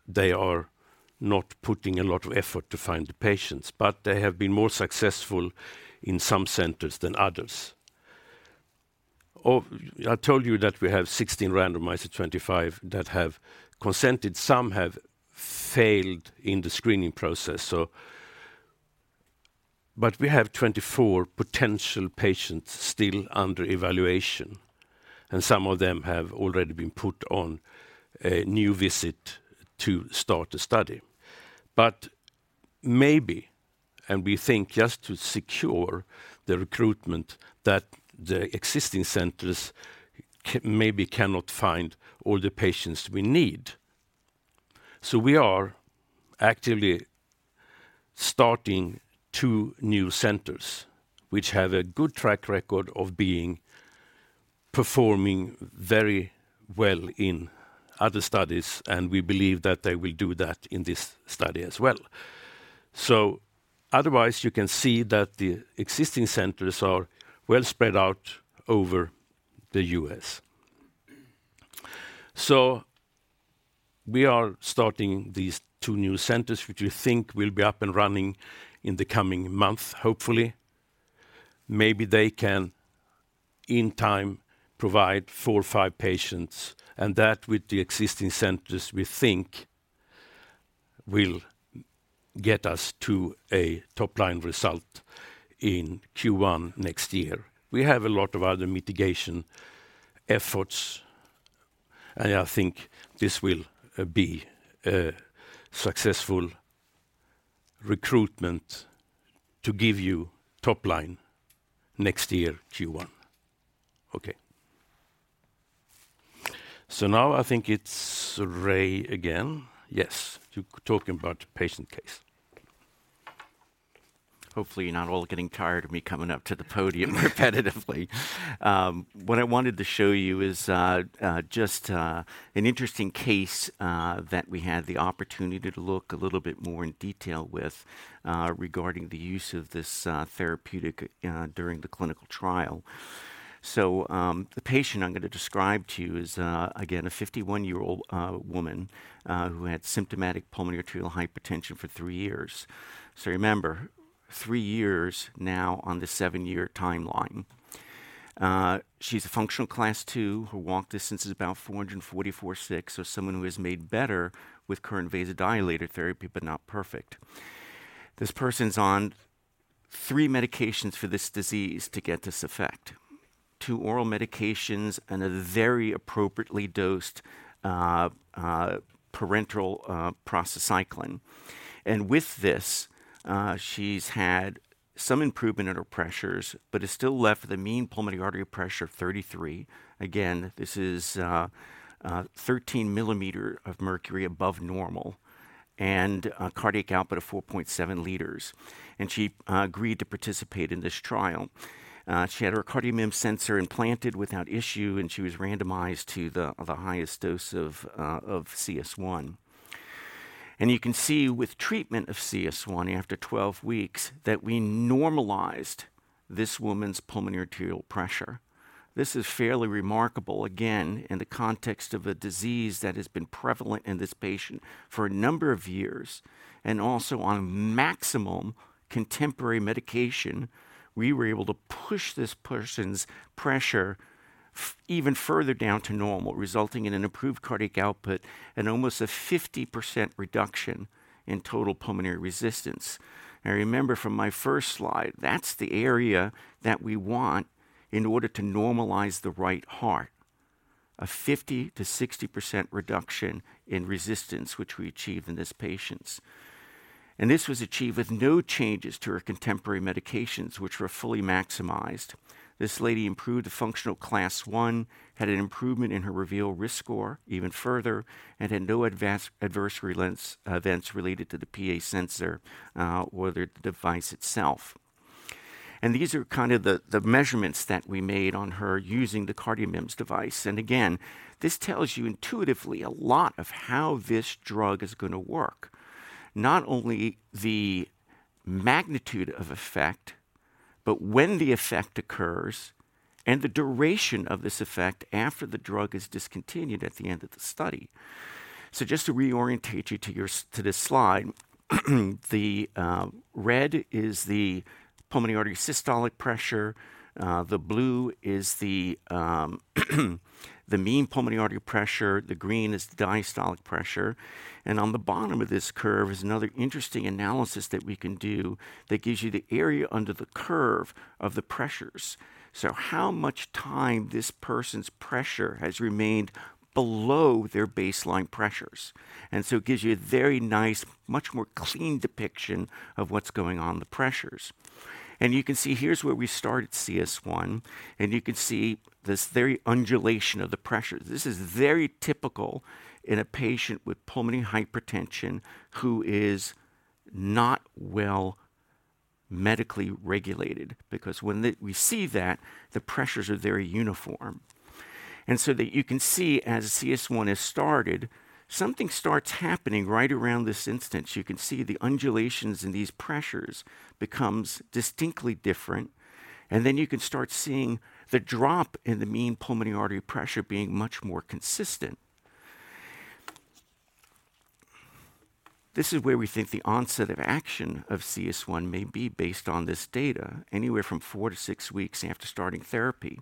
they are not putting a lot of effort to find the patients, but they have been more successful in some centers than others. I told you that we have 16 randomized to 25 that have consented. Some have failed in the screening process, so. But we have 24 potential patients still under evaluation, and some of them have already been put on a new visit to start the study. But maybe, and we think, just to secure the recruitment, that the existing centers maybe cannot find all the patients we need. So we are actively starting two new centers, which have a good track record of being, performing very well in other studies, and we believe that they will do that in this study as well. So otherwise, you can see that the existing centers are well spread out over the U.S. So we are starting these two new centers, which we think will be up and running in the coming month, hopefully. Maybe they can, in time, provide 4-5 patients, and that, with the existing centers, we think will get us to a top-line result in Q1 next year. We have a lot of other mitigation efforts, and I think this will be a successful recruitment to give you top line next year, Q1. Okay. So now I think it's Ray again. Yes, to talking about patient case. Hopefully, you're not all getting tired of me coming up to the podium repetitively. What I wanted to show you is just an interesting case that we had the opportunity to look a little bit more in detail with regarding the use of this therapeutic during the clinical trial. So, the patient I'm gonna describe to you is again a 51-year-old woman who had symptomatic pulmonary arterial hypertension for 3 years. So remember three years now on the 7-year timeline. She's a functional Class II, her walk distance is about 444.6, so someone who is made better with current vasodilator therapy, but not perfect. This person's on three medications for this disease to get this effect: two oral medications and a very appropriately dosed parenteral prostacyclin. With this, she's had some improvement in her pressures, but is still left with a mean pulmonary artery pressure of 33. Again, this is 13 millimeters of mercury above normal and cardiac output of 4.7 L. And she agreed to participate in this trial. She had her CardioMEMS sensor implanted without issue, and she was randomized to the highest dose of CS1. And you can see with treatment of CS1 after 12 weeks, that we normalized this woman's pulmonary arterial pressure. This is fairly remarkable, again, in the context of a disease that has been prevalent in this patient for a number of years, and also on maximum contemporary medication, we were able to push this person's pressure even further down to normal, resulting in an improved cardiac output and almost a 50% reduction in total pulmonary resistance. Now, remember from my first slide, that's the area that we want in order to normalize the right heart, a 50%-60% reduction in resistance, which we achieved in this patient. And this was achieved with no changes to her contemporary medications, which were fully maximized. This lady improved to functional Class I, had an improvement in her REVEAL risk score even further, and had no adverse events related to the PA sensor or the device itself. And these are kind of the measurements that we made on her using the CardioMEMS device. And again, this tells you intuitively a lot of how this drug is gonna work. Not only the magnitude of effect, but when the effect occurs and the duration of this effect after the drug is discontinued at the end of the study. So just to reorientate you to your-- to this slide, the red is the pulmonary artery systolic pressure, the blue is the mean pulmonary artery pressure, the green is the diastolic pressure, and on the bottom of this curve is another interesting analysis that we can do that gives you the area under the curve of the pressures. So how much time this person's pressure has remained below their baseline pressures. So it gives you a very nice, much more clean depiction of what's going on in the pressures. And you can see here's where we started CS1, and you can see this very undulation of the pressure. This is very typical in a patient with pulmonary hypertension who is not well medically regulated, because when we see that, the pressures are very uniform. And so that you can see as CS1 is started, something starts happening right around this instance. You can see the undulations in these pressures becomes distinctly different, and then you can start seeing the drop in the mean pulmonary artery pressure being much more consistent. This is where we think the onset of action of CS1 may be based on this data, anywhere from 4-6 weeks after starting therapy.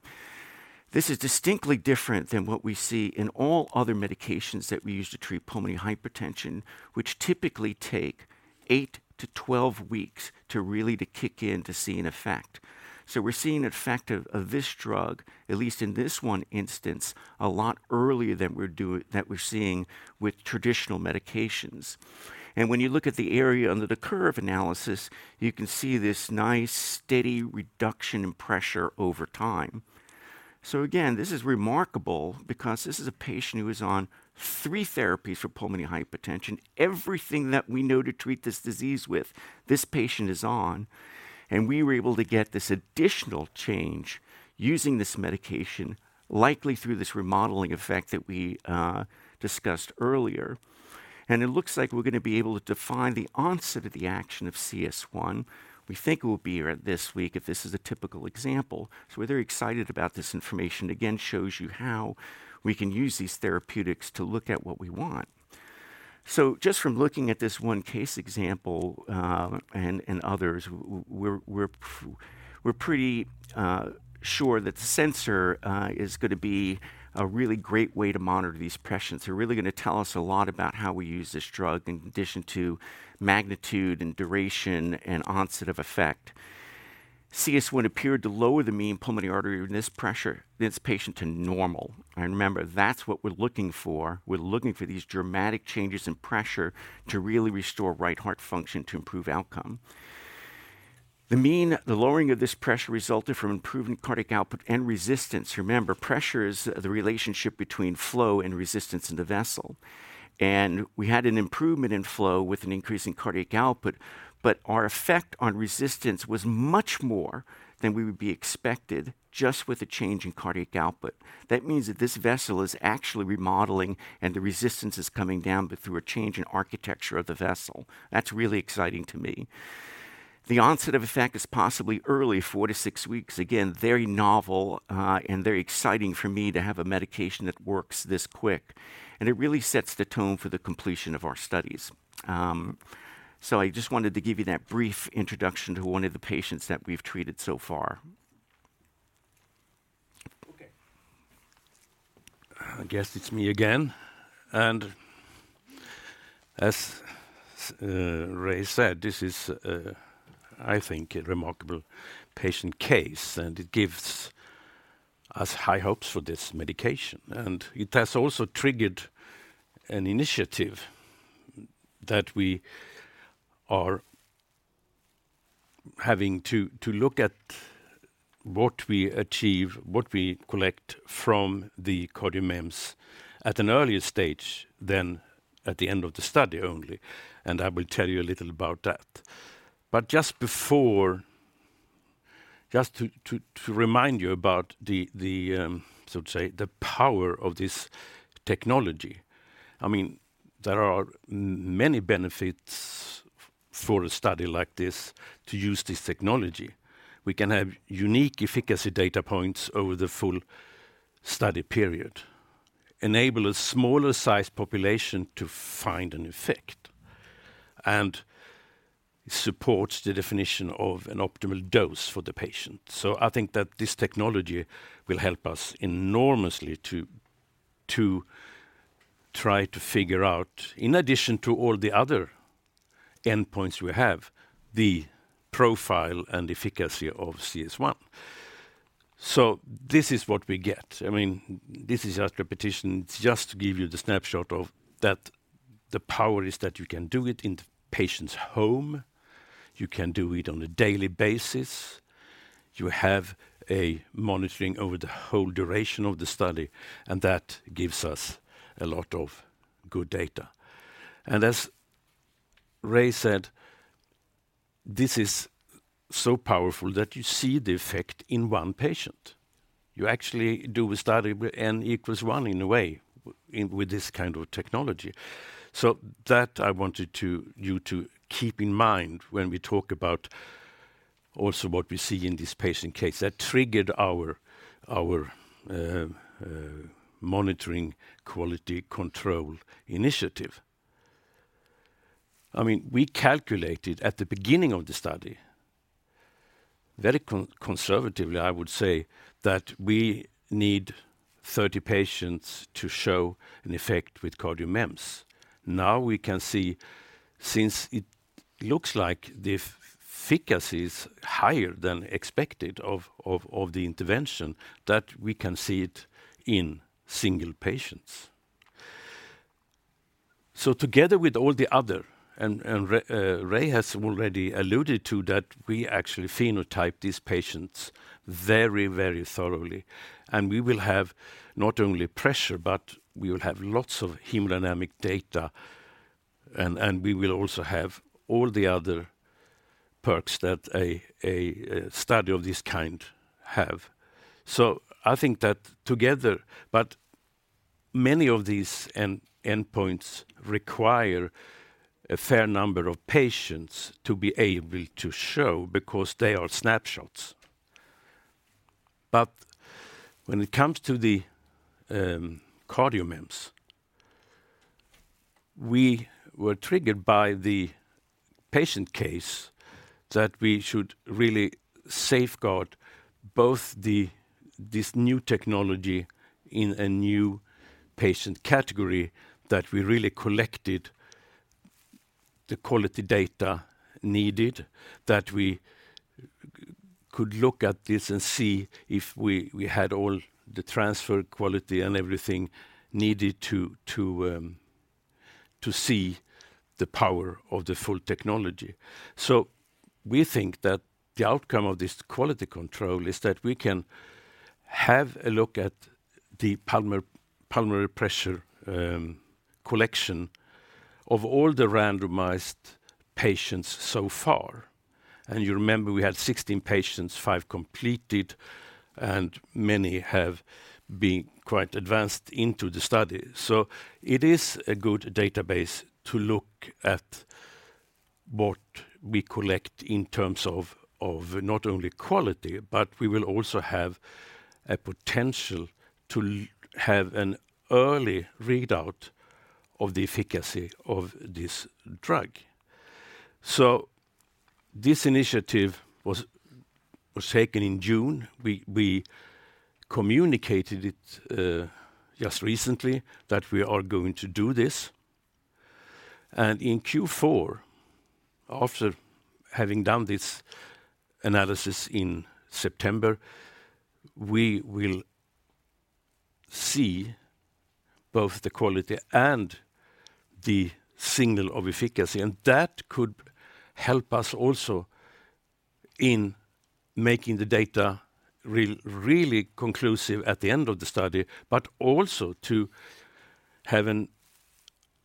This is distinctly different than what we see in all other medications that we use to treat pulmonary hypertension, which typically take 8-12 weeks to really kick in to see an effect. So we're seeing an effect of this drug, at least in this one instance, a lot earlier than we're seeing with traditional medications. When you look at the area under the curve analysis, you can see this nice, steady reduction in pressure over time. So again, this is remarkable because this is a patient who is on three therapies for pulmonary hypertension. Everything that we know to treat this disease with, this patient is on, and we were able to get this additional change using this medication, likely through this remodeling effect that we discussed earlier. It looks like we're gonna be able to define the onset of the action of CS1. We think it will be around this week, if this is a typical example. So we're very excited about this information. Again, shows you how we can use these therapeutics to look at what we want. So just from looking at this one case example, and others, we're pretty sure that the sensor is gonna be a really great way to monitor these patients. They're really gonna tell us a lot about how we use this drug, in addition to magnitude and duration and onset of effect. CS1 appeared to lower the mean pulmonary artery pressure in this patient to normal. And remember, that's what we're looking for. We're looking for these dramatic changes in pressure to really restore right heart function to improve outcome. The lowering of this pressure resulted from improved cardiac output and resistance. Remember, pressure is the relationship between flow and resistance in the vessel, and we had an improvement in flow with an increase in cardiac output, but our effect on resistance was much more than we would be expected just with a change in cardiac output. That means that this vessel is actually remodeling, and the resistance is coming down, but through a change in architecture of the vessel. That's really exciting to me. The onset of effect is possibly early, 4-6 weeks. Again, very novel, and very exciting for me to have a medication that works this quick, and it really sets the tone for the completion of our studies. So, I just wanted to give you that brief introduction to one of the patients that we've treated so far.... I guess it's me again. As Ray said, this is, I think, a remarkable patient case, and it gives us high hopes for this medication. It has also triggered an initiative that we are having to look at what we achieve, what we collect from the CardioMEMS at an earlier stage than at the end of the study only, and I will tell you a little about that. But just before—just to remind you about the, the, so to say, the power of this technology, I mean, there are many benefits for a study like this to use this technology. We can have unique efficacy data points over the full study period, enable a smaller size population to find an effect, and it supports the definition of an optimal dose for the patient. So I think that this technology will help us enormously to try to figure out, in addition to all the other endpoints we have, the profile and efficacy of CS1. So this is what we get. I mean, this is just repetition, just to give you the snapshot of that the power is that you can do it in the patient's home, you can do it on a daily basis, you have a monitoring over the whole duration of the study, and that gives us a lot of good data. And as Ray said, this is so powerful that you see the effect in one patient. You actually do a study with n equals 1 in a way, with this kind of technology. So, I wanted you to keep in mind when we talk about also what we see in this patient case that triggered our monitoring quality control initiative. I mean, we calculated at the beginning of the study, very conservatively, I would say, that we need 30 patients to show an effect with CardioMEMS. Now, we can see, since it looks like the efficacy is higher than expected of the intervention, that we can see it in single patients. So together with all the other, and Ray has already alluded to that, we actually phenotype these patients very, very thoroughly, and we will have not only pressure, but we will have lots of hemodynamic data, and we will also have all the other perks that a study of this kind have. So I think that together, but many of these endpoints require a fair number of patients to be able to show because they are snapshots. But when it comes to the CardioMEMS, we were triggered by the patient case that we should really safeguard both this new technology in a new patient category, that we really collected the quality data needed, that we could look at this and see if we had all the transfer quality and everything needed to see the power of the full technology. So we think that the outcome of this quality control is that we can have a look at the pulmonary pressure collection of all the randomized patients so far. And you remember, we had 16 patients, five completed, and many have been quite advanced into the study. So it is a good database to look at what we collect in terms of of not only quality, but we will also have a potential to have an early readout of the efficacy of this drug. So this initiative was taken in June. We communicated it just recently, that we are going to do this. And in Q4, after having done this analysis in September, we will see both the quality and the signal of efficacy, and that could help us also in making the data really conclusive at the end of the study, but also to have an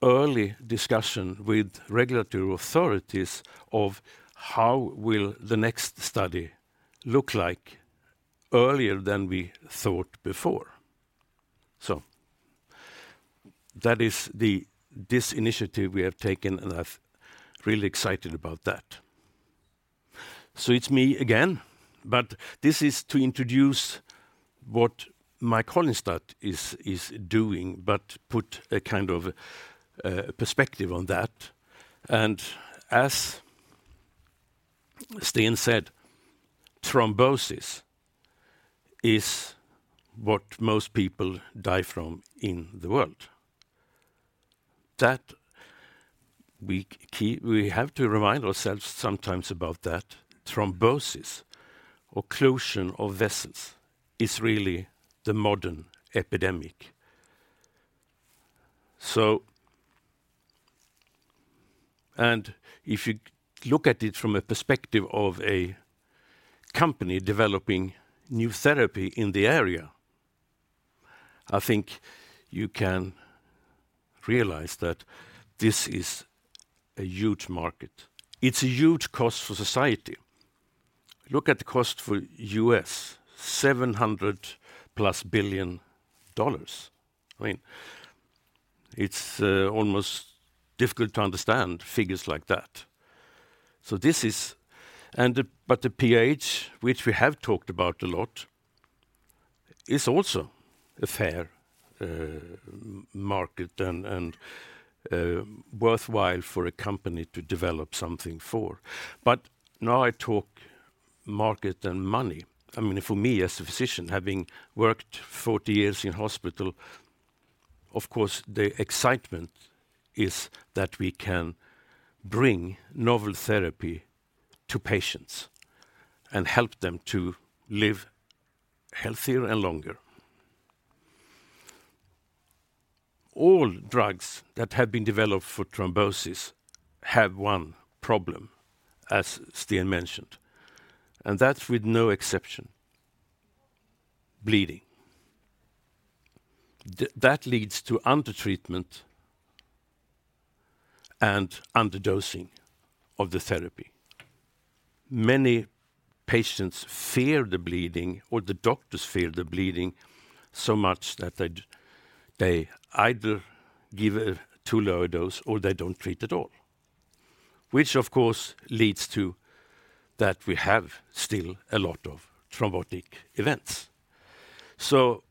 early discussion with regulatory authorities of how will the next study look like earlier than we thought before. So that is this initiative we have taken, and I'm really excited about that. So it's me again, but this is to introduce what Mike Holinstat is doing, but put a kind of perspective on that. And as Sten said, thrombosis is what most people die from in the world. That we have to remind ourselves sometimes about that. Thrombosis, occlusion of vessels, is really the modern epidemic. So, and if you look at it from a perspective of a company developing new therapy in the area, I think you can realize that this is a huge market. It's a huge cost for society. Look at the cost for U.S., $700+ billion. I mean, it's almost difficult to understand figures like that. So this is. And the but the PH, which we have talked about a lot, is also a fair market and worthwhile for a company to develop something for. But now I talk market and money. I mean, for me, as a physician, having worked 40 years in hospital, of course, the excitement is that we can bring novel therapy to patients and help them to live healthier and longer. All drugs that have been developed for thrombosis have one problem, as Sten mentioned, and that with no exception, bleeding. That leads to undertreatment and underdosing of the therapy. Many patients fear the bleeding, or the doctors fear the bleeding so much that they either give a too lower dose or they don't treat at all, which of course leads to that we have still a lot of thrombotic events. So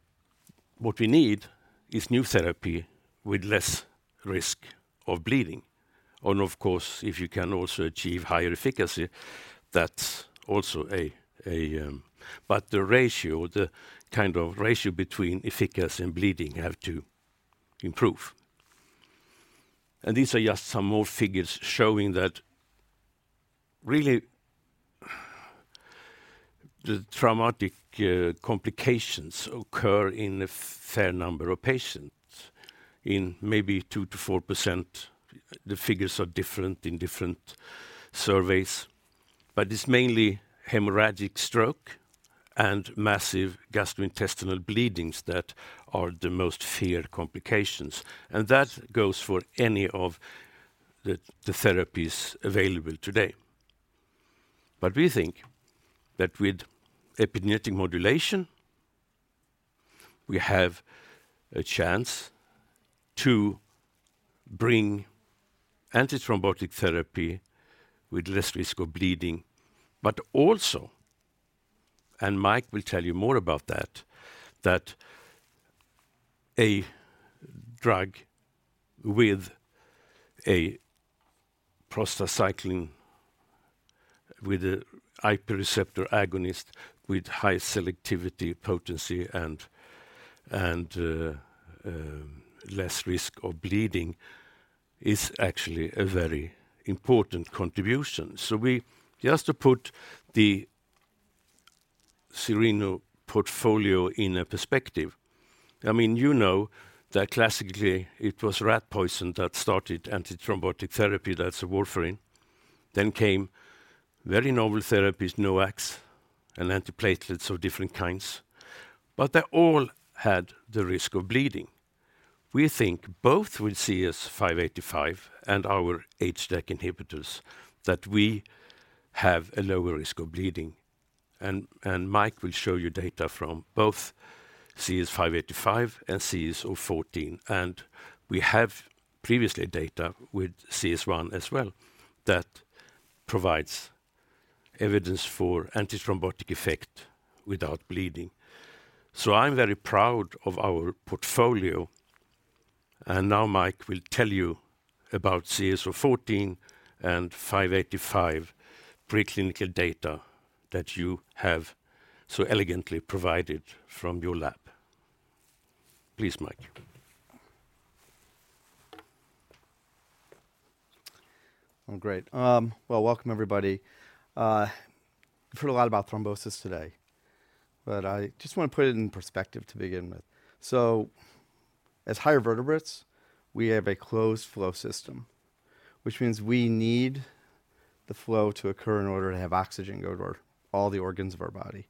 what we need is new therapy with less risk of bleeding. And of course, if you can also achieve higher efficacy, that's also a... But the ratio, the kind of ratio between efficacy and bleeding have to improve. And these are just some more figures showing that really, the traumatic complications occur in a fair number of patients, in maybe 2%-4%. The figures are different in different surveys, but it's mainly hemorrhagic stroke and massive gastrointestinal bleedings that are the most feared complications, and that goes for any of the therapies available today. But we think that with epigenetic modulation, we have a chance to bring antithrombotic therapy with less risk of bleeding. But also, and Mike will tell you more about that, that a drug with a prostacyclin, with a IP receptor agonist, with high selectivity, potency, and less risk of bleeding, is actually a very important contribution. So we just to put the Cereno portfolio in a perspective, I mean, you know that classically it was rat poison that started antithrombotic therapy, that's warfarin. Then came very novel therapies, NOACs and antiplatelets of different kinds, but they all had the risk of bleeding. We think both with CS585 and our HDAC inhibitors, that we have a lower risk of bleeding. And Mike will show you data from both CS585 and CS014, and we have previously data with CS1 as well, that provides evidence for antithrombotic effect without bleeding. So I'm very proud of our portfolio, and now Mike will tell you about CS014 and CS585 preclinical data that you have so elegantly provided from your lab. Please, Mike. Well, great. Well, welcome, everybody. You've heard a lot about thrombosis today, but I just want to put it in perspective to begin with. So as higher vertebrates, we have a closed flow system, which means we need the flow to occur in order to have oxygen go to our all the organs of our body,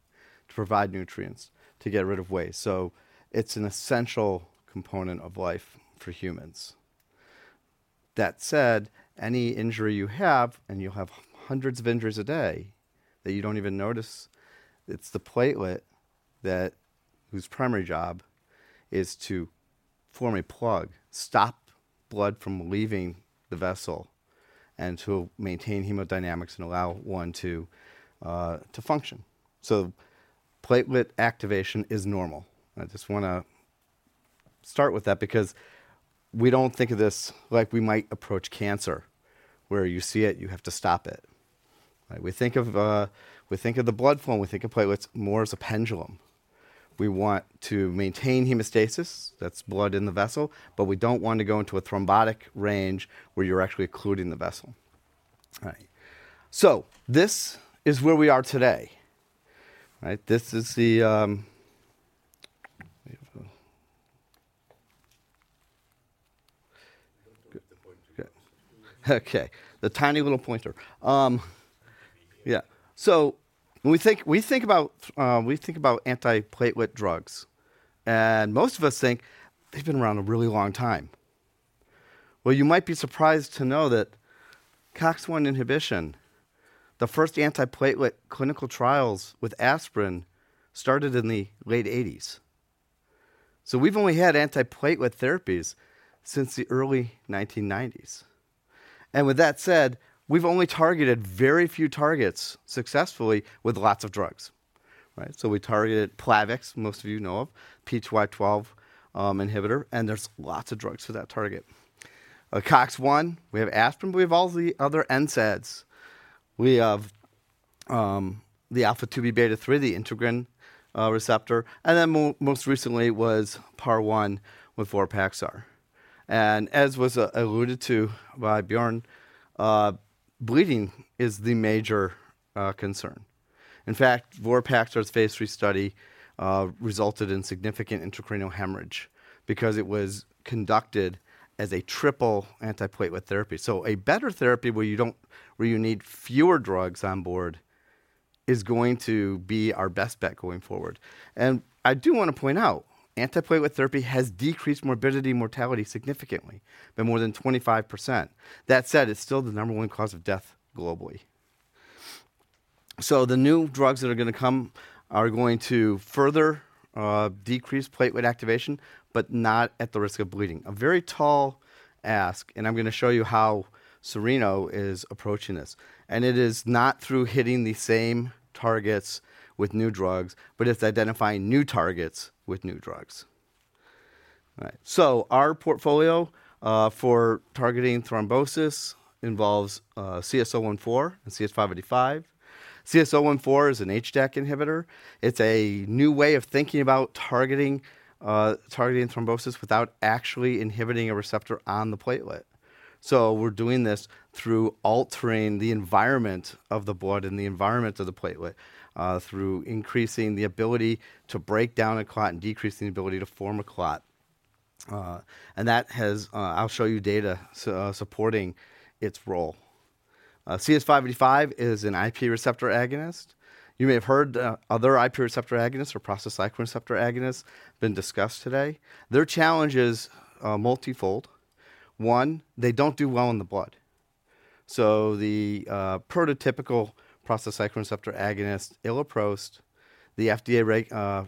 to provide nutrients, to get rid of waste. So it's an essential component of life for humans. That said, any injury you have, and you have hundreds of injuries a day that you don't even notice, it's the platelet whose primary job is to form a plug, stop blood from leaving the vessel, and to maintain hemodynamics and allow one to, to function. So platelet activation is normal. I just wanna-... Start with that because we don't think of this like we might approach cancer, where you see it, you have to stop it. We think of, we think of the blood flow, and we think of platelets more as a pendulum. We want to maintain hemostasis, that's blood in the vessel, but we don't want to go into a thrombotic range where you're actually occluding the vessel. Right. So this is where we are today. Right? This is the... Don't forget the pointer. Yes. Okay. The tiny little pointer. Yeah. So when we think about antiplatelet drugs, and most of us think they've been around a really long time. Well, you might be surprised to know that COX-1 inhibition, the first antiplatelet clinical trials with aspirin, started in the late 1980s. So we've only had antiplatelet therapies since the early 1990s. And with that said, we've only targeted very few targets successfully with lots of drugs. Right. So we targeted Plavix, most of you know of, P2Y12 inhibitor, and there's lots of drugs for that target. COX-1, we have aspirin, we have all the other NSAIDs. We have the alpha IIb/beta 3, the integrin receptor, and then most recently was PAR-1 with Vorapaxar. And as was alluded to by Björn, bleeding is the major concern. In fact, Vorapaxar's Phase III study resulted in significant intracranial hemorrhage because it was conducted as a triple antiplatelet therapy. So a better therapy where you need fewer drugs on board is going to be our best bet going forward. And I do want to point out, antiplatelet therapy has decreased morbidity and mortality significantly, by more than 25%. That said, it's still the number one cause of death globally. So the new drugs that are gonna come are going to further decrease platelet activation, but not at the risk of bleeding. A very tall ask, and I'm gonna show you how Cereno is approaching this. And it is not through hitting the same targets with new drugs, but it's identifying new targets with new drugs. Right. So our portfolio for targeting thrombosis involves CS014 and CS585. CS014 is an HDAC inhibitor. It's a new way of thinking about targeting targeting thrombosis without actually inhibiting a receptor on the platelet. So we're doing this through altering the environment of the blood and the environment of the platelet through increasing the ability to break down a clot and decrease the ability to form a clot. And that has—I'll show you data supporting its role. CS585 is an IP receptor agonist. You may have heard other IP receptor agonists or prostacyclin receptor agonists been discussed today. Their challenge is multifold. One, they don't do well in the blood. So the prototypical prostacyclin receptor agonist, iloprost, the FDA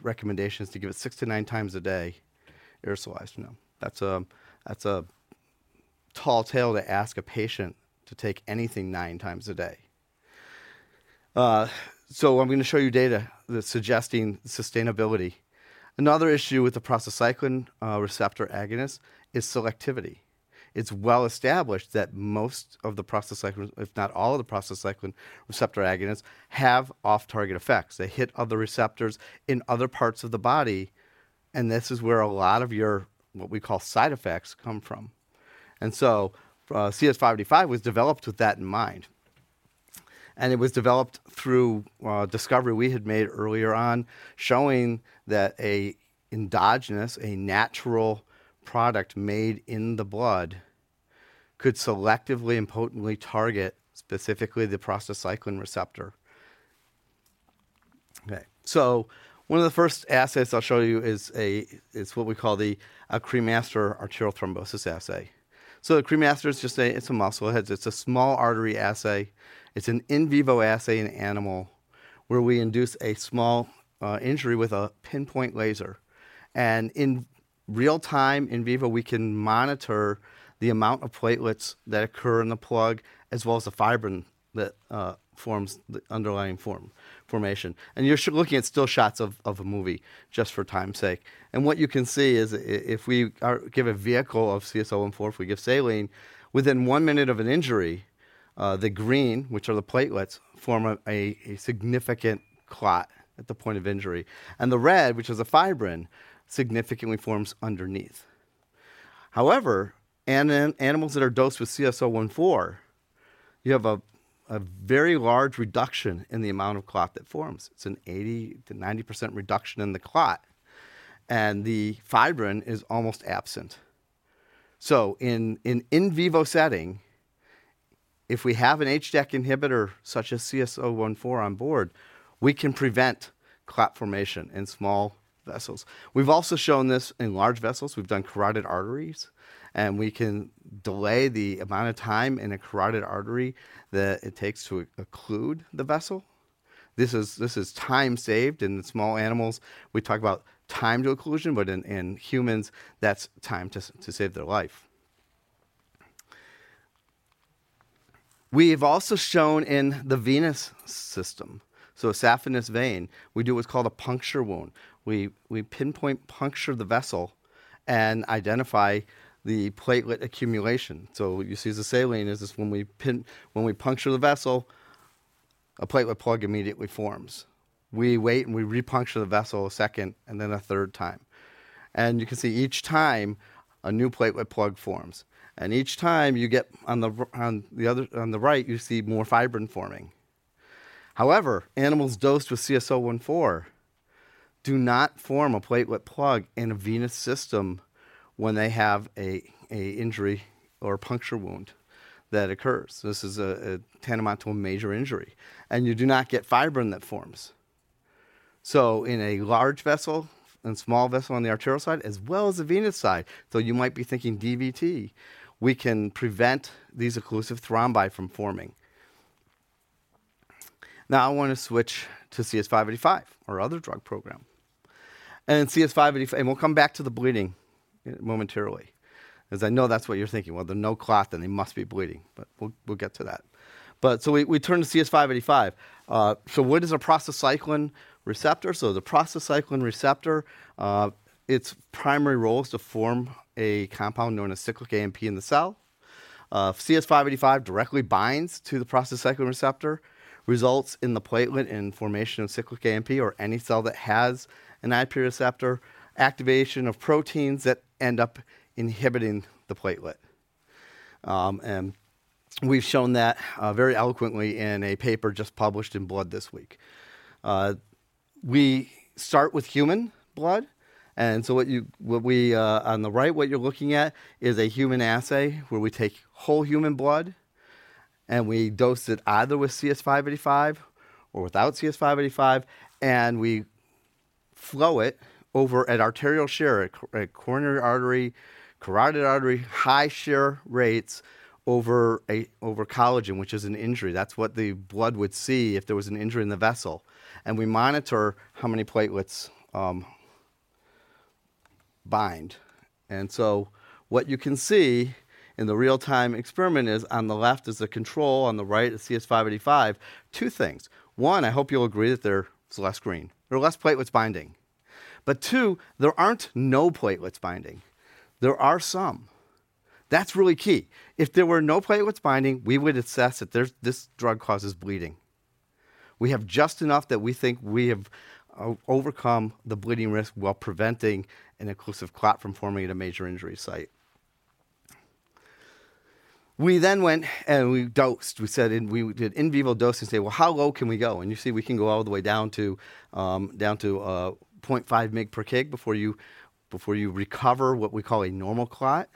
recommendation is to give it 6-9 times a day aerosolized. Now, that's a, that's a tall order to ask a patient to take anything 9 times a day. So I'm gonna show you data that's suggesting sustainability. Another issue with the prostacyclin receptor agonist is selectivity. It's well established that most of the prostacyclin, if not all of the prostacyclin receptor agonists, have off-target effects. They hit other receptors in other parts of the body, and this is where a lot of your, what we call side effects, come from. So CS585 was developed with that in mind, and it was developed through discovery we had made earlier on, showing that an endogenous, a natural product made in the blood, could selectively and potently target specifically the prostacyclin receptor. Okay. So one of the first assets I'll show you is a, is what we call the, a cremaster arterial thrombosis assay. So the cremaster is just a, it's a muscle head. It's a small artery assay. It's an in vivo assay in an animal, where we induce a small injury with a pinpoint laser. In real-time, in vivo, we can monitor the amount of platelets that occur in the plug, as well as the fibrin that forms the underlying formation. And you're looking at still shots of a movie just for time's sake. And what you can see is if we give a vehicle of CS014, if we give saline, within one minute of an injury, the green, which are the platelets, form a significant clot at the point of injury. And the red, which is the fibrin, significantly forms underneath. However, in animals that are dosed with CS014, you have a very large reduction in the amount of clot that forms. It's an 80%-90% reduction in the clot, and the fibrin is almost absent. So in an in vivo setting, if we have an HDAC inhibitor, such as CS014 on board, we can prevent clot formation in small vessels. We've also shown this in large vessels. We've done carotid arteries, and we can delay the amount of time in a carotid artery that it takes to occlude the vessel. This is time saved in small animals. We talk about time to occlusion, but in humans, that's time to save their life. We've also shown in the venous system, so a saphenous vein, we do what's called a puncture wound. We pinpoint puncture the vessel and identify the platelet accumulation. So what you see as the saline is this, when we puncture the vessel, a platelet plug immediately forms. We wait, and we re-puncture the vessel a second and then a third time. And you can see each time a new platelet plug forms, and each time you get on the other, on the right, you see more fibrin forming. However, animals dosed with CS014 do not form a platelet plug in a venous system when they have a injury or a puncture wound that occurs. This is tantamount to a major injury, and you do not get fibrin that forms. So in a large vessel and small vessel on the arterial side, as well as the venous side, so you might be thinking DVT, we can prevent these occlusive thrombi from forming. Now, I want to switch to CS585, our other drug program. CS585, and we'll come back to the bleeding momentarily, because I know that's what you're thinking. Well, if there's no clot, then there must be bleeding." But we'll get to that. But so we turn to CS585. So what is a prostacyclin receptor? So the prostacyclin receptor, its primary role is to form a compound known as cyclic AMP in the cell. CS585 directly binds to the prostacyclin receptor, results in the platelet and formation of cyclic AMP or any cell that has an IP receptor, activation of proteins that end up inhibiting the platelet. And we've shown that, very eloquently in a paper just published in Blood this week. We start with human blood, and so what we... On the right, what you're looking at is a human assay where we take whole human blood, and we dose it either with CS585 or without CS585, and we flow it over at arterial shear, at coronary artery, carotid artery, high shear rates over collagen, which is an injury. That's what the blood would see if there was an injury in the vessel, and we monitor how many platelets bind. So what you can see in the real-time experiment is, on the left, the control, on the right, the CS585. Two things: one, I hope you'll agree that there is less green. There are less platelets binding. But two, there aren't no platelets binding. There are some. That's really key. If there were no platelets binding, we would assess that this drug causes bleeding. We have just enough that we think we have overcome the bleeding risk while preventing an occlusive clot from forming at a major injury site. We then went, and we dosed. We said, and we did in vivo dosing and say, "Well, how low can we go?" And you see, we can go all the way down to down to 0.5 mg per kg before you before you recover what we call a normal clot.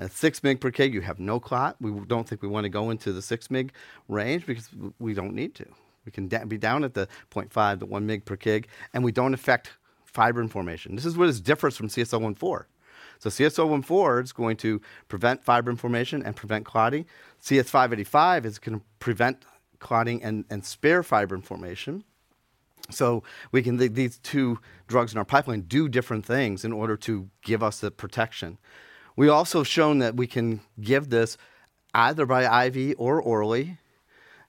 At 6 mg per kg, you have no clot. We don't think we want to go into the 6 mg range because we don't need to. We can down, be down at the 0.5-1 mg per kg, and we don't affect fibrin formation. This is what differs from CS014. So CS014 is going to prevent fibrin formation and prevent clotting. CS585 is gonna prevent clotting and spare fibrin formation. So we can... These two drugs in our pipeline do different things in order to give us the protection. We also have shown that we can give this either by IV or orally,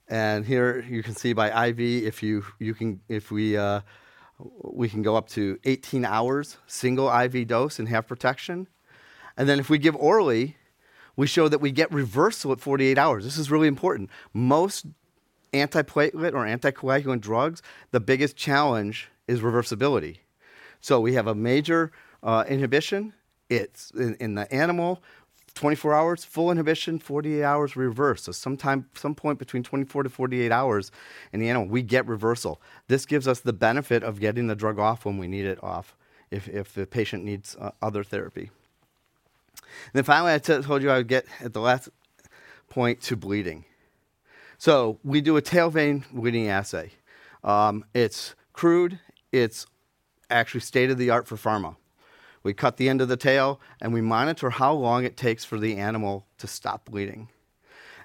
and here you can see by IV, we can go up to 18 hours, single IV dose and have protection. And then if we give orally, we show that we get reversal at 48 hours. This is really important. Most antiplatelet or anticoagulant drugs, the biggest challenge is reversibility. So we have a major inhibition. It's in the animal, 24 hours, full inhibition, 48 hours, reverse. So sometime, some point between 24-48 hours in the animal, we get reversal. This gives us the benefit of getting the drug off when we need it off, if the patient needs other therapy. Then finally, I told you I would get at the last point to bleeding. So we do a tail vein bleeding assay. It's crude. It's actually state-of-the-art for pharma. We cut the end of the tail, and we monitor how long it takes for the animal to stop bleeding.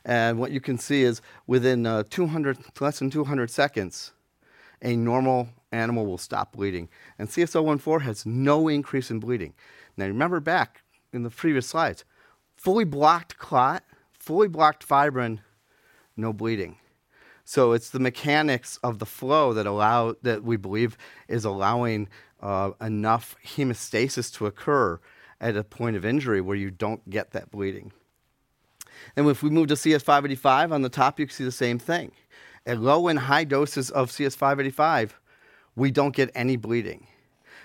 And what you can see is within less than 200 seconds, a normal animal will stop bleeding. And CS014 has no increase in bleeding. Now, remember back in the previous slides, fully blocked clot, fully blocked fibrin, no bleeding. So it's the mechanics of the flow that allow that we believe is allowing enough hemostasis to occur at a point of injury where you don't get that bleeding. If we move to CS585, on the top, you can see the same thing. At low and high doses of CS585, we don't get any bleeding.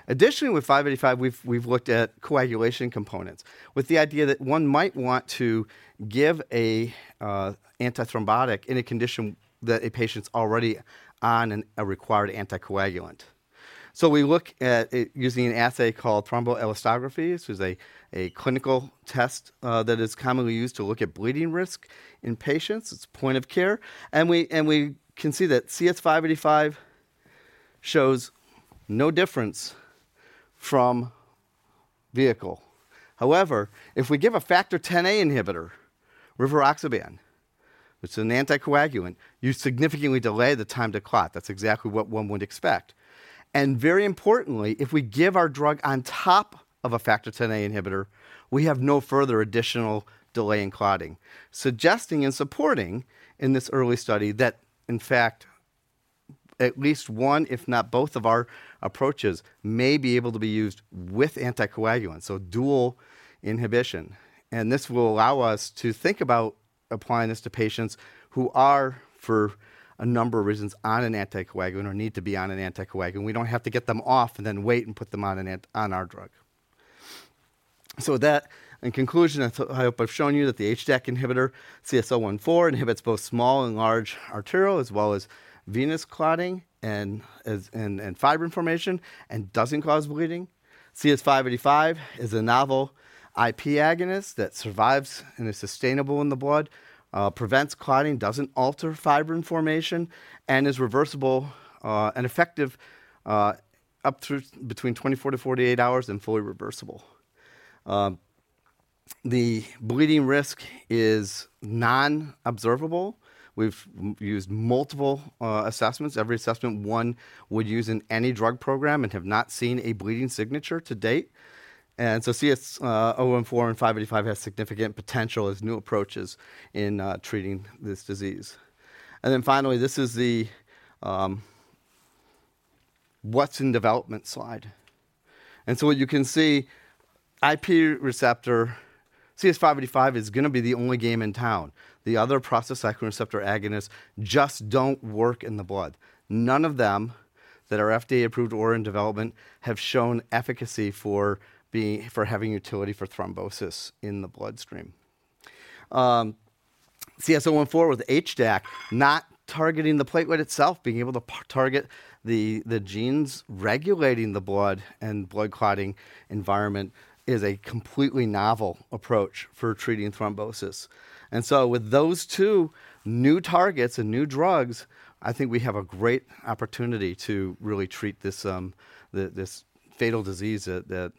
Additionally, with 585, we've looked at coagulation components with the idea that one might want to give a antithrombotic in a condition that a patient's already on a required anticoagulant. So we look at it using an assay called thromboelastography. This is a clinical test that is commonly used to look at bleeding risk in patients. It's point of care, and we can see that CS585 shows no difference from vehicle. However, if we give a factor Xa inhibitor, rivaroxaban, it's an anticoagulant, you significantly delay the time to clot. That's exactly what one would expect. Very importantly, if we give our drug on top of a factor Xa inhibitor, we have no further additional delay in clotting, suggesting and supporting in this early study that, in fact, at least one, if not both of our approaches, may be able to be used with anticoagulants, so dual inhibition. And this will allow us to think about applying this to patients who are, for a number of reasons, on an anticoagulant or need to be on an anticoagulant. We don't have to get them off and then wait and put them on our drug. So with that, in conclusion, I hope I've shown you that the HDAC inhibitor CS014 inhibits both small and large arterial, as well as venous clotting and fibrin formation and doesn't cause bleeding. CS585 is a novel IP agonist that survives and is sustainable in the blood, prevents clotting, doesn't alter fibrin formation, and is reversible, and effective up through between 24-48 hours and fully reversible. The bleeding risk is non-observable. We've used multiple assessments, every assessment one would use in any drug program and have not seen a bleeding signature to date. And so CS014 and CS585 has significant potential as new approaches in treating this disease. And then finally, this is the what's in development slide. And so what you can see, IP receptor CS585 is gonna be the only game in town. The other prostacyclin receptor agonists just don't work in the blood. None of them that are FDA approved or in development have shown efficacy for having utility for thrombosis in the bloodstream. CS014 with HDAC, not targeting the platelet itself, being able to target the genes regulating the blood and blood clotting environment is a completely novel approach for treating thrombosis. And so with those two new targets and new drugs, I think we have a great opportunity to really treat this this fatal disease that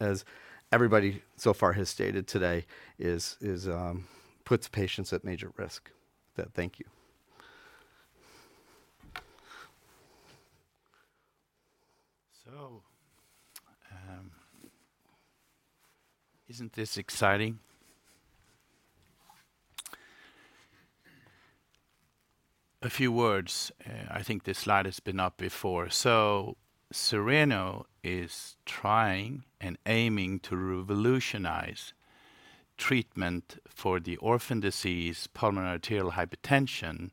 as everybody so far has stated today is puts patients at major risk. Thank you. So, isn't this exciting? A few words, I think this slide has been up before. So Cereno is trying and aiming to revolutionize treatment for the orphan disease, pulmonary arterial hypertension,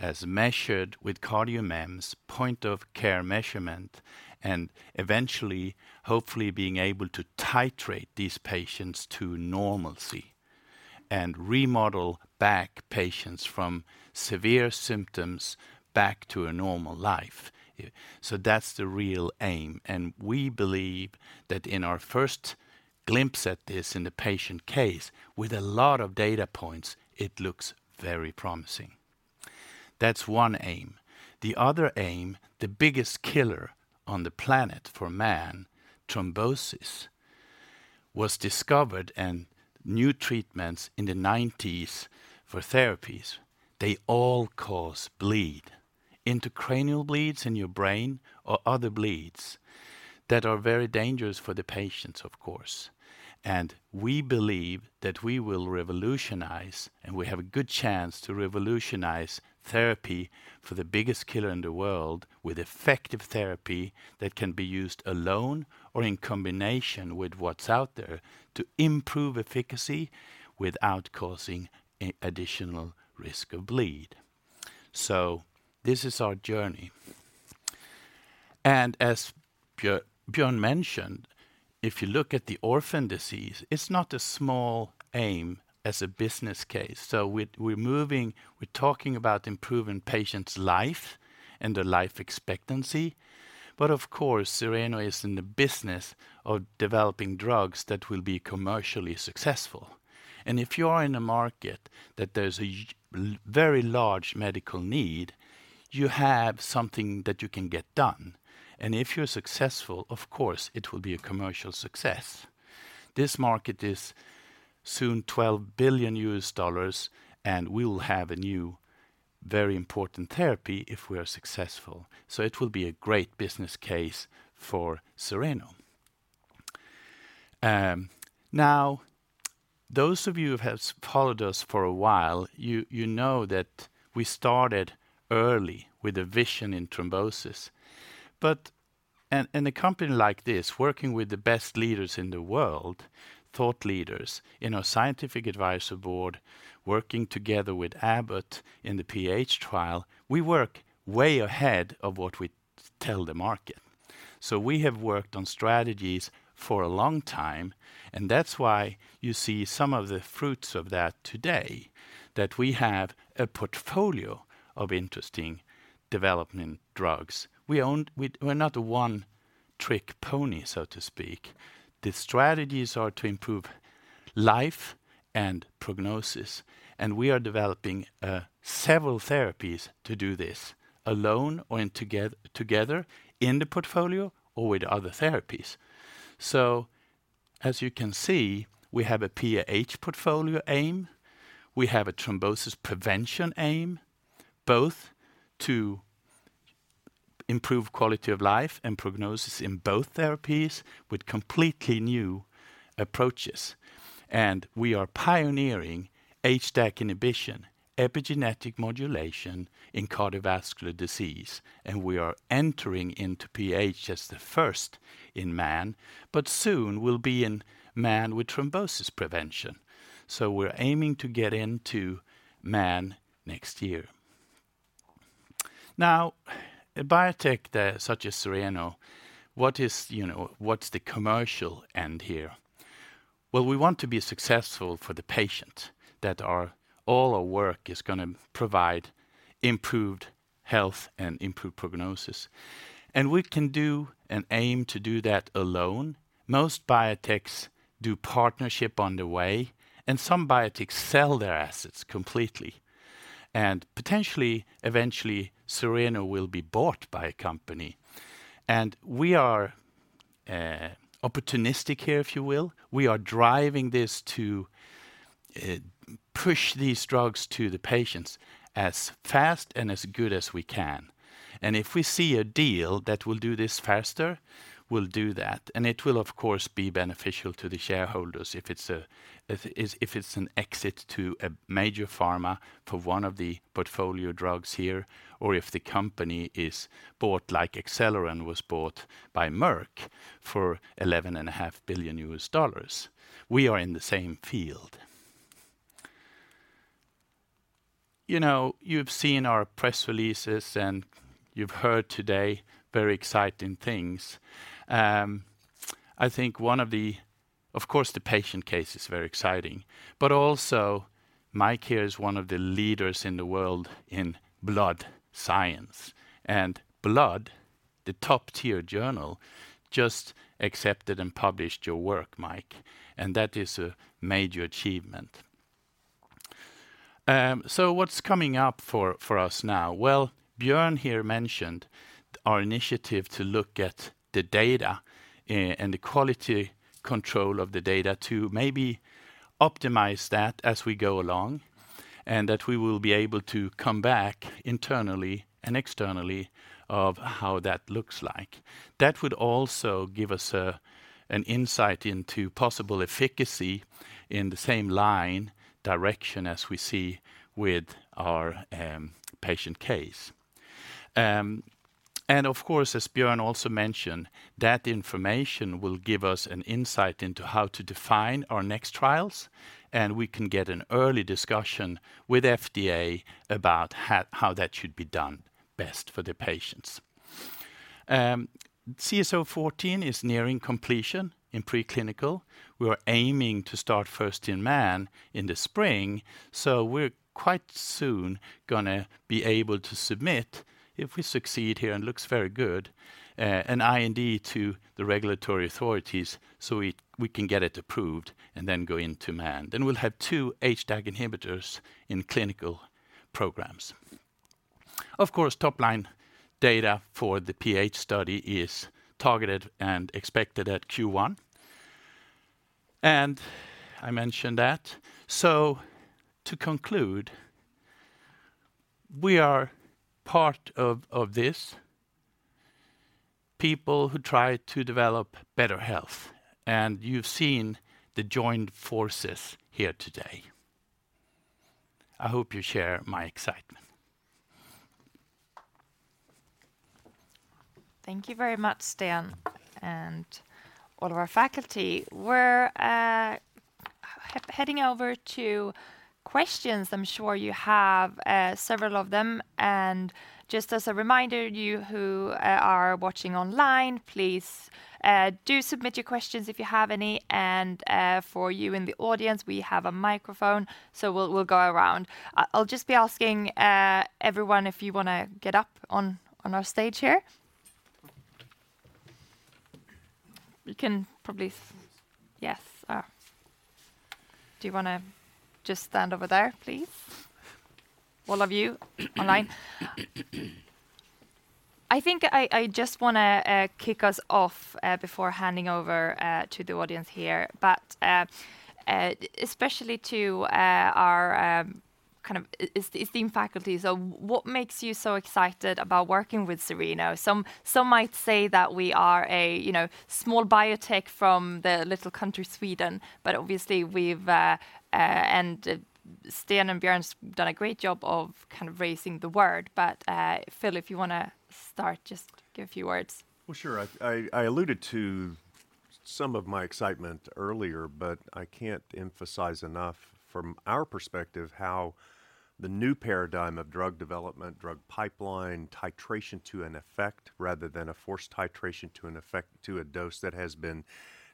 as measured with CardioMEMS point-of-care measurement, and eventually, hopefully, being able to titrate these patients to normalcy and remodel back patients from severe symptoms back to a normal life. So that's the real aim, and we believe that in our first glimpse at this in the patient case, with a lot of data points, it looks very promising. That's one aim. The other aim, the biggest killer on the planet for man, thrombosis, was discovered and new treatments in the nineties for therapies, they all cause bleed. Intracranial bleeds in your brain or other bleeds that are very dangerous for the patients, of course. And we believe that we will revolutionize, and we have a good chance to revolutionize therapy for the biggest killer in the world with effective therapy that can be used alone or in combination with what's out there to improve efficacy without causing additional risk of bleed. So this is our journey. And as Björn mentioned, if you look at the orphan disease, it's not a small aim as a business case. So we're talking about improving patients' life and their life expectancy. But of course, Cereno is in the business of developing drugs that will be commercially successful. And if you are in a market that there's a very large medical need, you have something that you can get done. And if you're successful, of course, it will be a commercial success. This market is soon $12 billion, and we will have a new, very important therapy if we are successful. So it will be a great business case for Cereno. Now, those of you who have followed us for a while, you know that we started early with a vision in thrombosis. But in a company like this, working with the best leaders in the world, thought leaders in our scientific advisory board, working together with Abbott in the PAH trial, we work way ahead of what we tell the market. So we have worked on strategies for a long time, and that's why you see some of the fruits of that today, that we have a portfolio of interesting development drugs. We own, we're not a one-trick pony, so to speak. The strategies are to improve life and prognosis, and we are developing several therapies to do this, alone or in together, in the portfolio or with other therapies. So as you can see, we have a PAH portfolio aim, we have a thrombosis prevention aim, both to improve quality of life and prognosis in both therapies with completely new approaches. We are pioneering HDAC inhibition, epigenetic modulation in cardiovascular disease, and we are entering into PH as the first in man, but soon we'll be in man with thrombosis prevention. So we're aiming to get into man next year. Now, a biotech such as Cereno, what is, you know, what's the commercial end here? Well, we want to be successful for the patient, that all our work is gonna provide improved health and improved prognosis. We can do and aim to do that alone. Most biotechs do partnership on the way, and some biotechs sell their assets completely. Potentially, eventually, Cereno will be bought by a company. We are opportunistic here, if you will. We are driving this to push these drugs to the patients as fast and as good as we can. If we see a deal that will do this faster, we'll do that. It will, of course, be beneficial to the shareholders if it's an exit to a major pharma for one of the portfolio drugs here, or if the company is bought like Acceleron was bought by Merck for $11.5 billion. We are in the same field. You know, you've seen our press releases, and you've heard today very exciting things. Of course, the patient case is very exciting, but also, Mike here is one of the leaders in the world in blood science. And Blood, the top-tier journal, just accepted and published your work, Mike, and that is a major achievement. So what's coming up for us now? Well, Björn here mentioned our initiative to look at the data, and the quality control of the data to maybe optimize that as we go along, and that we will be able to come back internally and externally of how that looks like. That would also give us an insight into possible efficacy in the same line direction as we see with our patient case. And of course, as Björn also mentioned, that information will give us an insight into how to define our next trials, and we can get an early discussion with FDA about how, how that should be done best for the patients. CS014 is nearing completion in preclinical. We are aiming to start first in man in the spring, so we're quite soon gonna be able to submit, if we succeed here, and looks very good, an IND to the regulatory authorities, so we, we can get it approved and then go into man. Then we'll have two HDAC inhibitors in clinical programs. Of course, top-line data for the PH study is targeted and expected at Q1. I mentioned that. So to conclude, we are part of, of this, people who try to develop better health, and you've seen the joined forces here today. I hope you share my excitement. Thank you very much, Sten, and all of our faculty. We're heading over to questions. I'm sure you have several of them. And just as a reminder, you who are watching online, please do submit your questions, if you have any. And for you in the audience, we have a microphone, so we'll go around. I'll just be asking everyone, if you wanna get up on our stage here. You can probably... Yes. Do you wanna just stand over there, please? All of you online. I think I just wanna kick us off before handing over to the audience here, but especially to our kind of esteemed faculty. So what makes you so excited about working with Cereno? Some might say that we are a, you know, small biotech from the little country, Sweden, but obviously, we've..., and Sten and Björn's done a great job of kind of raising the word. But, Phil, if you wanna start, just give a few words. Well, sure. I alluded to some of my excitement earlier, but I can't emphasize enough from our perspective how the new paradigm of drug development, drug pipeline, titration to an effect rather than a forced titration to an effect to a dose that has been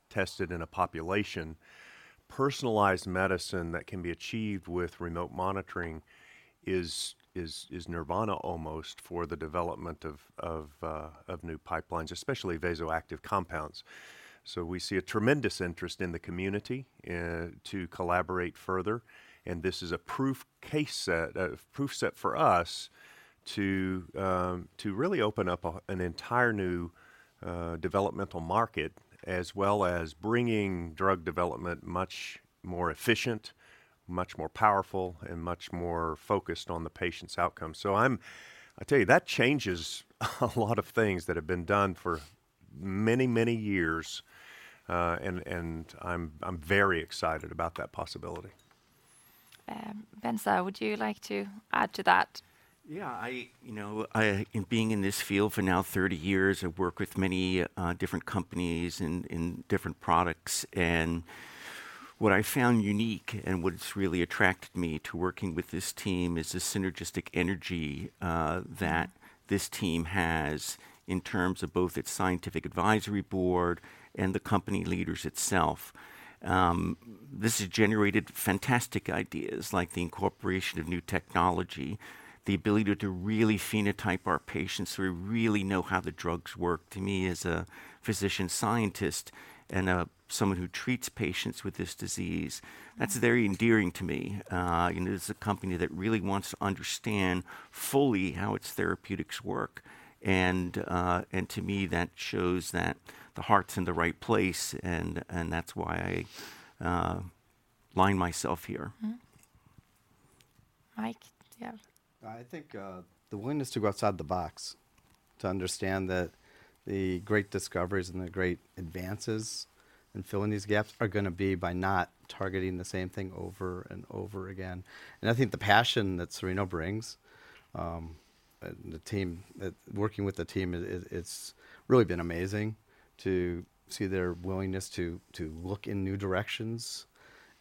tested in a population. Personalized medicine that can be achieved with remote monitoring is nirvana almost for the development of new pipelines, especially vasoactive compounds. So we see a tremendous interest in the community to collaborate further, and this is a proof case set, proof set for us to really open up an entire new developmental market, as well as bringing drug development much more efficient, much more powerful, and much more focused on the patient's outcome. So I tell you, that changes a lot of things that have been done for many, many years, and I'm very excited about that possibility. Benza, would you like to add to that? Yeah. I, you know, in being in this field for now 30 years, I've worked with many, different companies and, and different products. And what I found unique and what's really attracted me to working with this team is the synergistic energy, that this team has in terms of both its scientific advisory board and the company leaders itself. This has generated fantastic ideas, like the incorporation of new technology, the ability to really phenotype our patients, so we really know how the drugs work. To me, as a physician-scientist and, someone who treats patients with this disease, that's very endearing to me. You know, this is a company that really wants to understand fully how its therapeutics work. And, and to me, that shows that the heart's in the right place, and, and that's why I, align myself here. Mm-hmm. Mike, yeah. I think, the willingness to go outside the box, to understand that the great discoveries and the great advances in filling these gaps are gonna be by not targeting the same thing over and over again. And I think the passion that Cereno brings, the team working with the team, it's really been amazing to see their willingness to look in new directions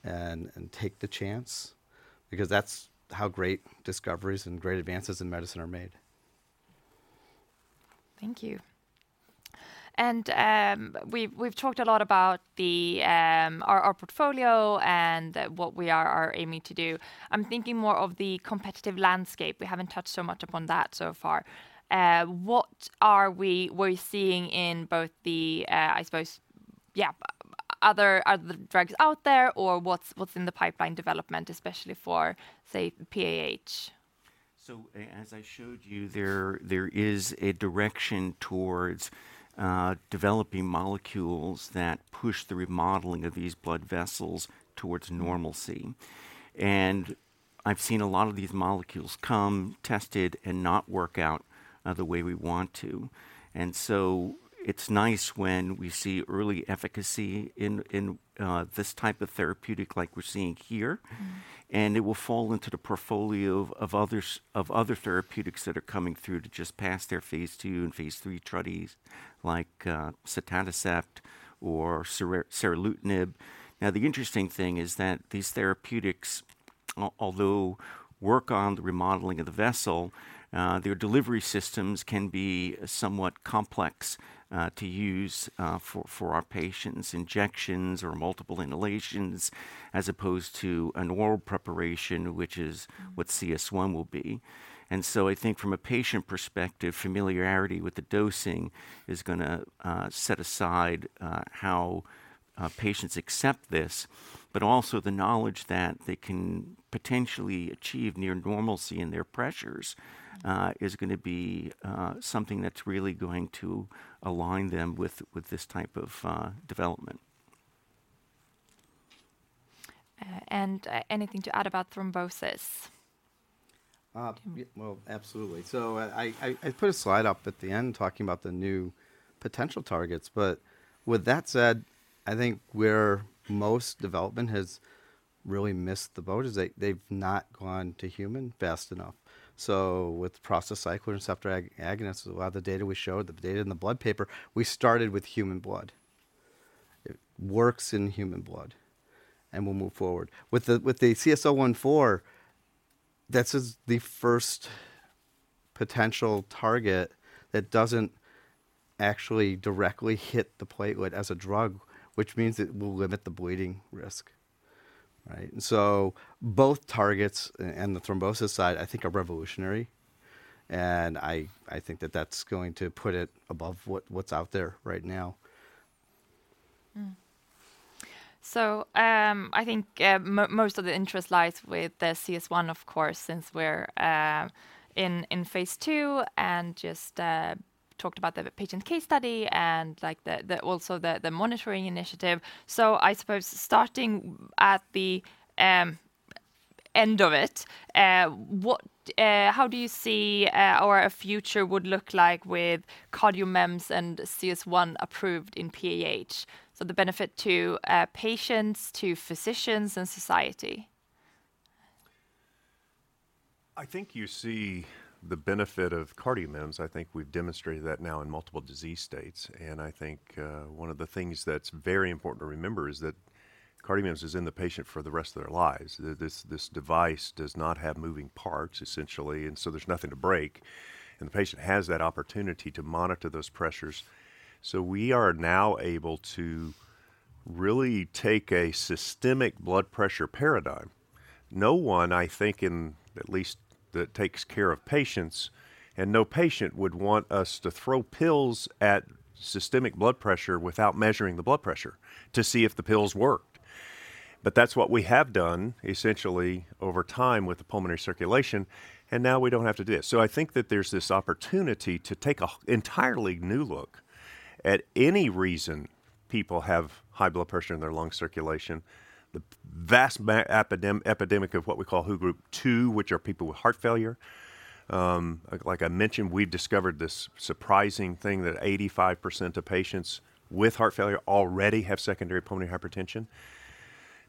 and take the chance, because that's how great discoveries and great advances in medicine are made. Thank you. And, we've talked a lot about the... our portfolio and, what we are aiming to do. I'm thinking more of the competitive landscape. We haven't touched so much upon that so far. What are we seeing in both the, I suppose, yeah, other drugs out there or what's in the pipeline development, especially for, say, PAH? As I showed you, there, there is a direction towards developing molecules that push the remodeling of these blood vessels towards normalcy. I've seen a lot of these molecules come, tested, and not work out the way we want to. It's nice when we see early efficacy in, in this type of therapeutic like we're seeing here. Mm-hmm. It will fall into the portfolio of others, of other therapeutics that are coming through to just pass their phase II and phase III studies, like, sotatercept or seralutinib. Now, the interesting thing is that these therapeutics, although work on the remodeling of the vessel, their delivery systems can be somewhat complex, to use, for our patients, injections or multiple inhalations, as opposed to an oral preparation, which is- Mm... what CS1 will be. And so I think from a patient perspective, familiarity with the dosing is gonna set aside how patients accept this, but also the knowledge that they can potentially achieve near normalcy in their pressures is gonna be something that's really going to align them with this type of development. Anything to add about thrombosis? Yeah, well, absolutely. So I put a slide up at the end talking about the new potential targets, but with that said, I think where most development has really missed the boat is they've not gone to human fast enough. So with the prostacyclin receptor agonists, a lot of the data we showed, the data in the blood paper, we started with human blood. It works in human blood, and we'll move forward. With the CS014, that's the first potential target that doesn't actually directly hit the platelet as a drug, which means it will limit the bleeding risk, right? And so both targets and the thrombosis side, I think, are revolutionary. And I think that that's going to put it above what's out there right now. So, I think most of the interest lies with the CS1, of course, since we're in phase II, and just talked about the patient case study and like the also the monitoring initiative. So I suppose starting at the end of it, how do you see our future would look like with CardioMEMS and CS1 approved in PAH? So the benefit to patients, to physicians, and society. I think you see the benefit of CardioMEMS. I think we've demonstrated that now in multiple disease states. And I think, one of the things that's very important to remember is that CardioMEMS is in the patient for the rest of their lives. This, this device does not have moving parts, essentially, and so there's nothing to break, and the patient has that opportunity to monitor those pressures. So we are now able to really take a systemic blood pressure paradigm. No one, I think, in at least that takes care of patients, and no patient would want us to throw pills at systemic blood pressure without measuring the blood pressure to see if the pills worked. But that's what we have done essentially over time with the pulmonary circulation, and now we don't have to do it. So I think that there's this opportunity to take an entirely new look at the reason why people have high blood pressure in their lung circulation. The vast epidemic of what we call WHO Group II, which are people with heart failure. Like, like I mentioned, we've discovered this surprising thing that 85% of patients with heart failure already have secondary pulmonary hypertension.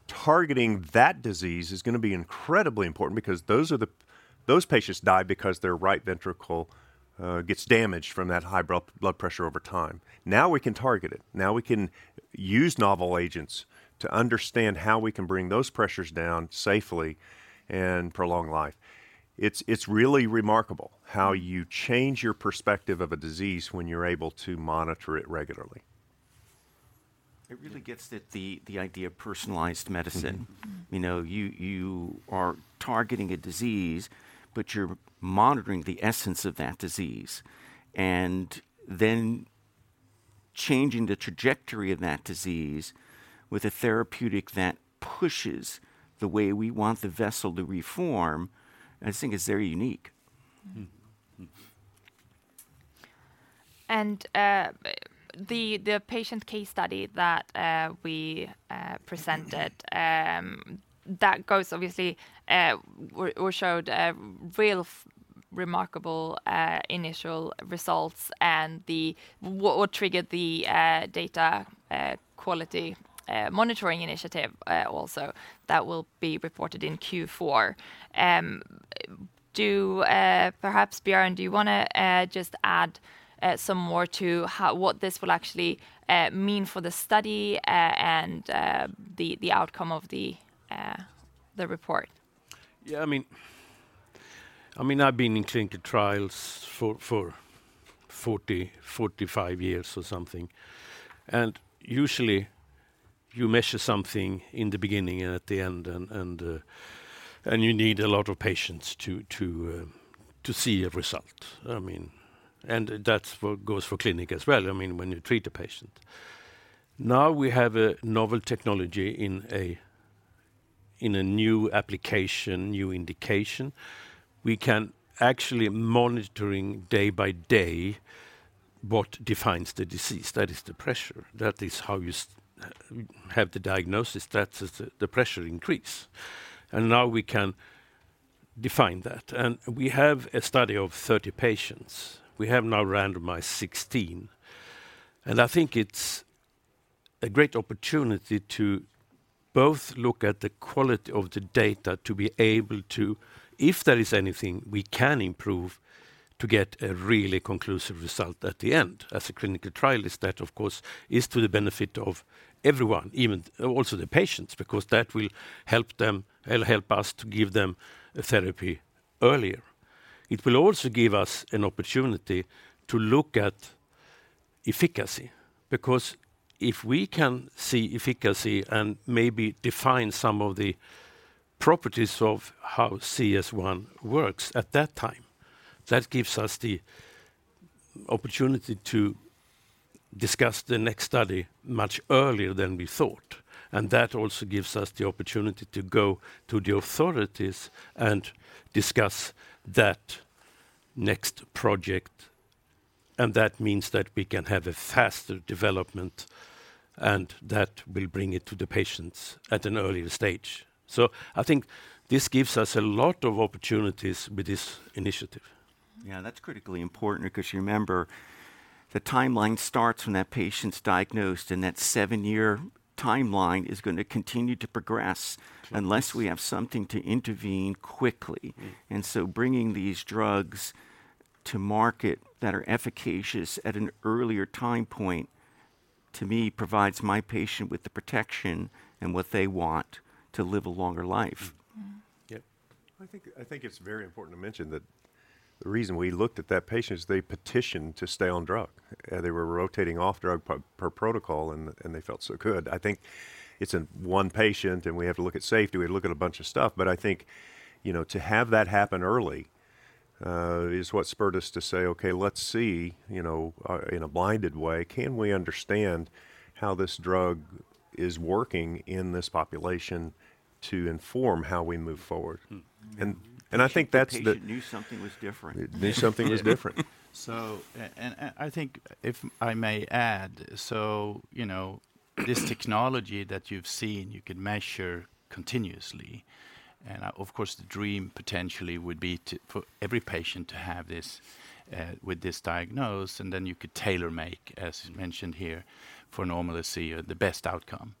Targeting that disease is gonna be incredibly important because those patients die because their right ventricle gets damaged from that high blood pressure over time. Now we can target it. Now we can use novel agents to understand how we can bring those pressures down safely and prolong life. It's really remarkable how you change your perspective of a disease when you're able to monitor it regularly. It really gets at the idea of personalized medicine. Mm-hmm. Mm. You know, you are targeting a disease, but you're monitoring the essence of that disease, and then changing the trajectory of that disease with a therapeutic that pushes the way we want the vessel to reform, I think, is very unique. Mm. Mm. The patient case study that we presented, that goes obviously... We showed real remarkable initial results and what triggered the Data Quality Monitoring Initiative also that will be reported in Q4. Perhaps, Björn, do you wanna just add some more to what this will actually mean for the study and the outcome of the report? Yeah, I mean, I mean, I've been in clinical trials for, for 40, 45 years or something, and usually, you measure something in the beginning and at the end, and, and, and you need a lot of patients to, to, to see a result. I mean, and that's what goes for clinic as well, I mean, when you treat a patient. Now we have a novel technology in a, in a new application, new indication. We can actually monitoring day by day what defines the disease. That is the pressure. That is how you have the diagnosis. That is the, the pressure increase, and now we can define that. And we have a study of 30 patients. We have now randomized 16, and I think it's a great opportunity to both look at the quality of the data, to be able to, if there is anything we can improve, to get a really conclusive result at the end. As a clinical trialist, that, of course, is to the benefit of everyone, even also the patients, because that will help them- help, help us to give them a therapy earlier. It will also give us an opportunity to look at efficacy, because if we can see efficacy and maybe define some of the properties of how CS1 works at that time, that gives us the opportunity to discuss the next study much earlier than we thought. That also gives us the opportunity to go to the authorities and discuss that next project, and that means that we can have a faster development, and that will bring it to the patients at an earlier stage. So I think this gives us a lot of opportunities with this initiative. Yeah, that's critically important because you remember, the timeline starts when that patient's diagnosed, and that 7-year timeline is gonna continue to progress- Yes... unless we have something to intervene quickly. Mm. And so bringing these drugs to market that are efficacious at an earlier time point, to me, provides my patient with the protection and what they want, to live a longer life. Mm-hmm. Mm-hmm. Yep. I think, I think it's very important to mention that the reason we looked at that patient is they petitioned to stay on drug. They were rotating off drug per, per protocol, and, and they felt so good. I think it's a one patient, and we have to look at safety, we have to look at a bunch of stuff, but I think, you know, to have that happen early, is what spurred us to say, "Okay, let's see, you know, in a blinded way, can we understand how this drug is working in this population to inform how we move forward? Mm. I think that's the- The patient knew something was different. Knew something was different. And I think, if I may add, so, you know, this technology that you've seen, you can measure continuously. And, of course, the dream potentially would be to, for every patient to have this, with this diagnosis, and then you could tailor-make, as mentioned here, for normalcy or the best outcome.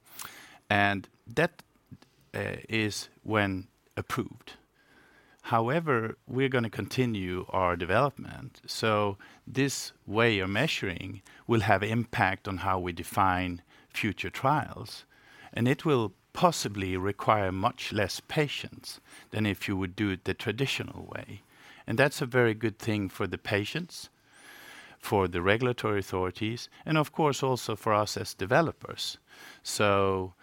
And that is when approved. However, we're gonna continue our development, so this way of measuring will have impact on how we define future trials, and it will possibly require much less patients than if you would do it the traditional way. And that's a very good thing for the patients, for the regulatory authorities, and of course, also for us as developers. So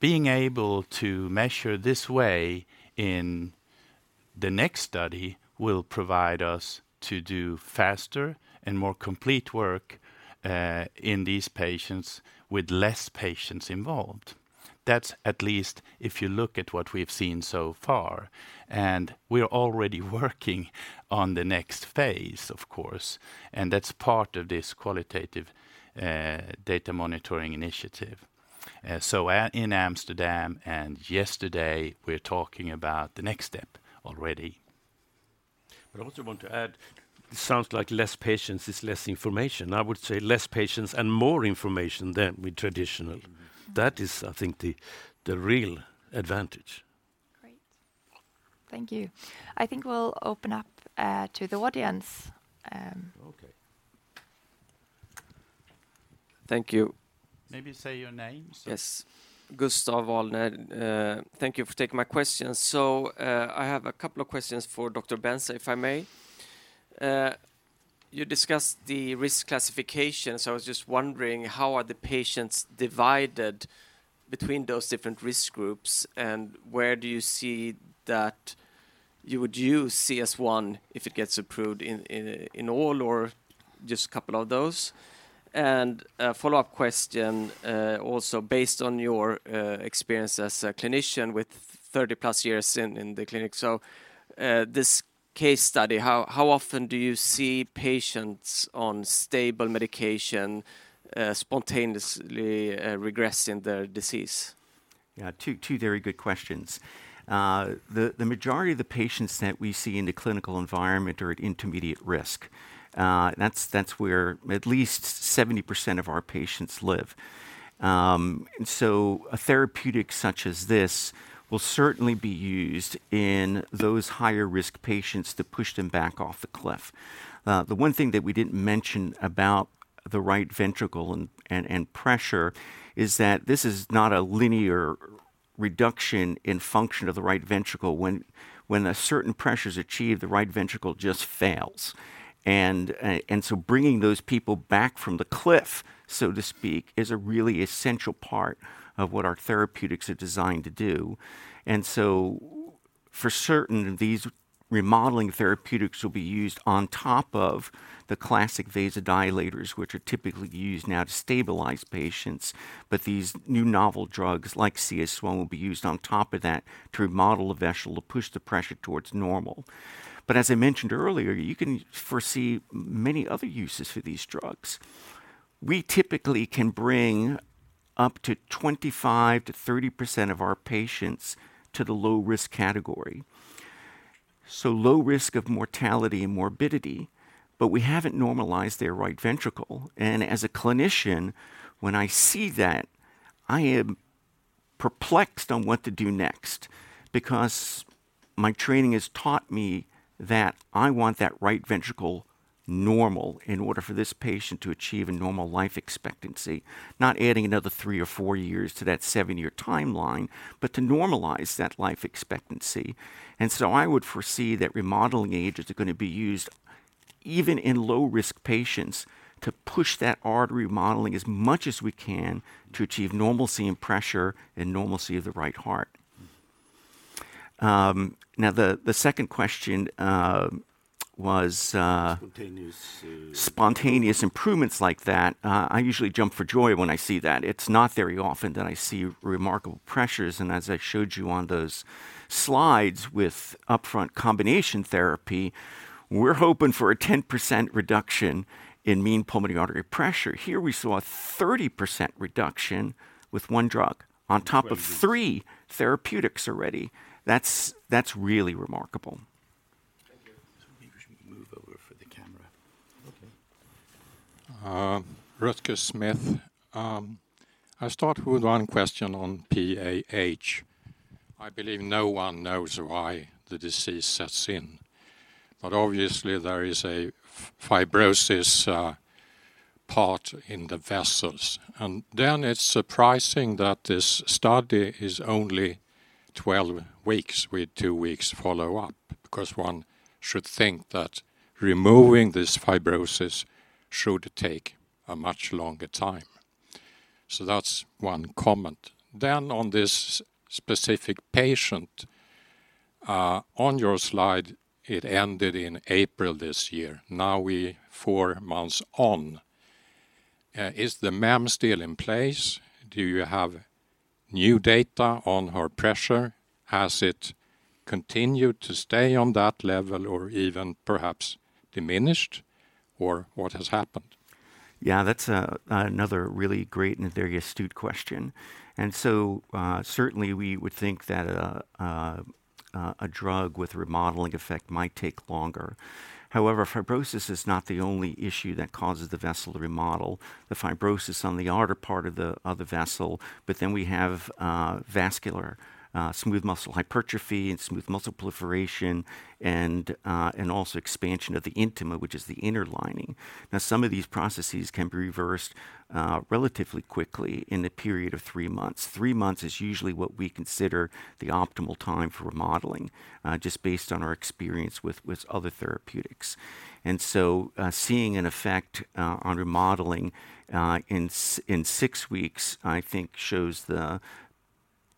being able to measure this way in the next study will provide us to do faster and more complete work, in these patients with less patients involved.... That's at least if you look at what we've seen so far, and we are already working on the next phase, of course, and that's part of this qualitative data monitoring initiative. So in Amsterdam and yesterday, we're talking about the next step already. But I also want to add, it sounds like less patients is less information. I would say less patients and more information than with traditional. Mm-hmm. Mm-hmm. That is, I think, the real advantage. Great. Thank you. I think we'll open up to the audience. Okay. Thank you. Maybe say your name, sir. Yes. Gustav Wallner. Thank you for taking my question. So, I have a couple of questions for Dr. Benza, if I may. You discussed the risk classification, so I was just wondering: how are the patients divided between those different risk groups, and where do you see that you would use CS1, if it gets approved, in all or just a couple of those? And a follow-up question, also based on your experience as a clinician with 30+ years in the clinic. So, this case study, how often do you see patients on stable medication spontaneously regressing their disease? Yeah, two very good questions. The majority of the patients that we see in the clinical environment are at intermediate risk. That's where at least 70% of our patients live. And so a therapeutic such as this will certainly be used in those higher-risk patients to push them back off the cliff. The one thing that we didn't mention about the right ventricle and pressure is that this is not a linear reduction in function of the right ventricle. When a certain pressure is achieved, the right ventricle just fails. And so bringing those people back from the cliff, so to speak, is a really essential part of what our therapeutics are designed to do. And so for certain, these remodeling therapeutics will be used on top of the classic vasodilators, which are typically used now to stabilize patients, but these new novel drugs, like CS1, will be used on top of that to remodel the vessel, to push the pressure towards normal. But as I mentioned earlier, you can foresee many other uses for these drugs. We typically can bring up to 25%-30% of our patients to the low-risk category, so low risk of mortality and morbidity, but we haven't normalized their right ventricle. As a clinician, when I see that, I am perplexed on what to do next because my training has taught me that I want that right ventricle normal in order for this patient to achieve a normal life expectancy, not adding another three or four years to that seven-year timeline, but to normalize that life expectancy. So I would foresee that remodeling agents are gonna be used even in low-risk patients, to push that artery modeling as much as we can to achieve normalcy in pressure and normalcy of the right heart. Now, the second question was- Spontaneous uh-... Spontaneous improvements like that, I usually jump for joy when I see that. It's not very often that I see remarkable pressures, and as I showed you on those slides with upfront combination therapy, we're hoping for a 10% reduction in mean pulmonary artery pressure. Here, we saw a 30% reduction with one drug- Twenty on top of three therapeutics already. That's, that's really remarkable. Thank you. Maybe we should move over for the camera. Okay. Rutger Smith. I start with one question on PAH. I believe no one knows why the disease sets in, but obviously, there is a fibrosis part in the vessels. And then it's surprising that this study is only 12 weeks, with 2 weeks follow-up, because one should think that removing this fibrosis should take a much longer time. So that's one comment. Then, on this specific patient, on your slide, it ended in April this year. Now we're 4 months on. Is the MEMS still in place? Do you have new data on her pressure? Has it continued to stay on that level or even perhaps diminished, or what has happened? Yeah, that's another really great and very astute question. So, certainly, we would think that a drug with remodeling effect might take longer. However, fibrosis is not the only issue that causes the vessel to remodel. The fibrosis on the arterial part of the vessel, but then we have vascular smooth muscle hypertrophy and smooth muscle proliferation and also expansion of the intima, which is the inner lining. Now, some of these processes can be reversed relatively quickly in a period of three months. Three months is usually what we consider the optimal time for remodeling just based on our experience with other therapeutics. So, seeing an effect on remodeling in six weeks, I think, shows the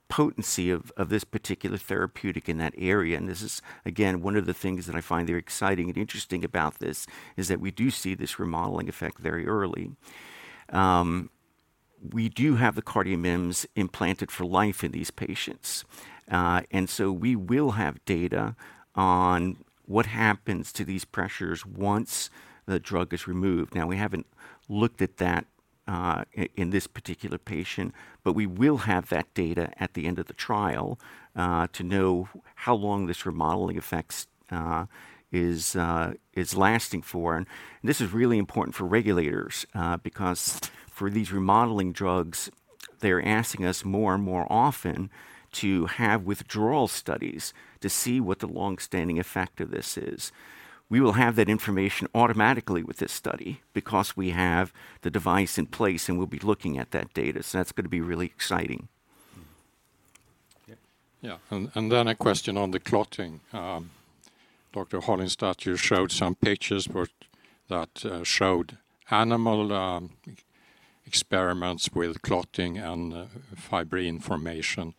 po-... potency of this particular therapeutic in that area, and this is, again, one of the things that I find very exciting and interesting about this, is that we do see this remodeling effect very early. We do have the CardioMEMS implanted for life in these patients. And so we will have data on what happens to these pressures once the drug is removed. Now, we haven't looked at that in this particular patient, but we will have that data at the end of the trial to know how long this remodeling effect is lasting for. And this is really important for regulators because for these remodeling drugs, they're asking us more and more often to have withdrawal studies to see what the long-standing effect of this is. We will have that information automatically with this study because we have the device in place, and we'll be looking at that data. So that's going to be really exciting. Mm-hmm. Yeah, yeah. And then a question on the clotting. Dr. Holinstat, you showed some pictures, but that showed animal experiments with clotting and fibrin formation.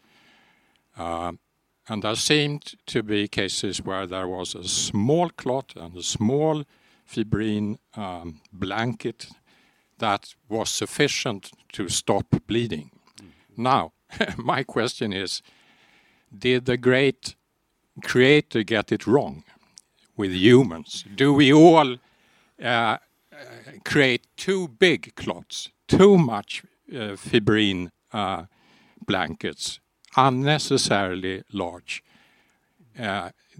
And there seemed to be cases where there was a small clot and a small fibrin blanket that was sufficient to stop bleeding. Mm-hmm. Now, my question is, did the great creator get it wrong with humans? Do we all create two big clots, too much fibrin blankets, unnecessarily large?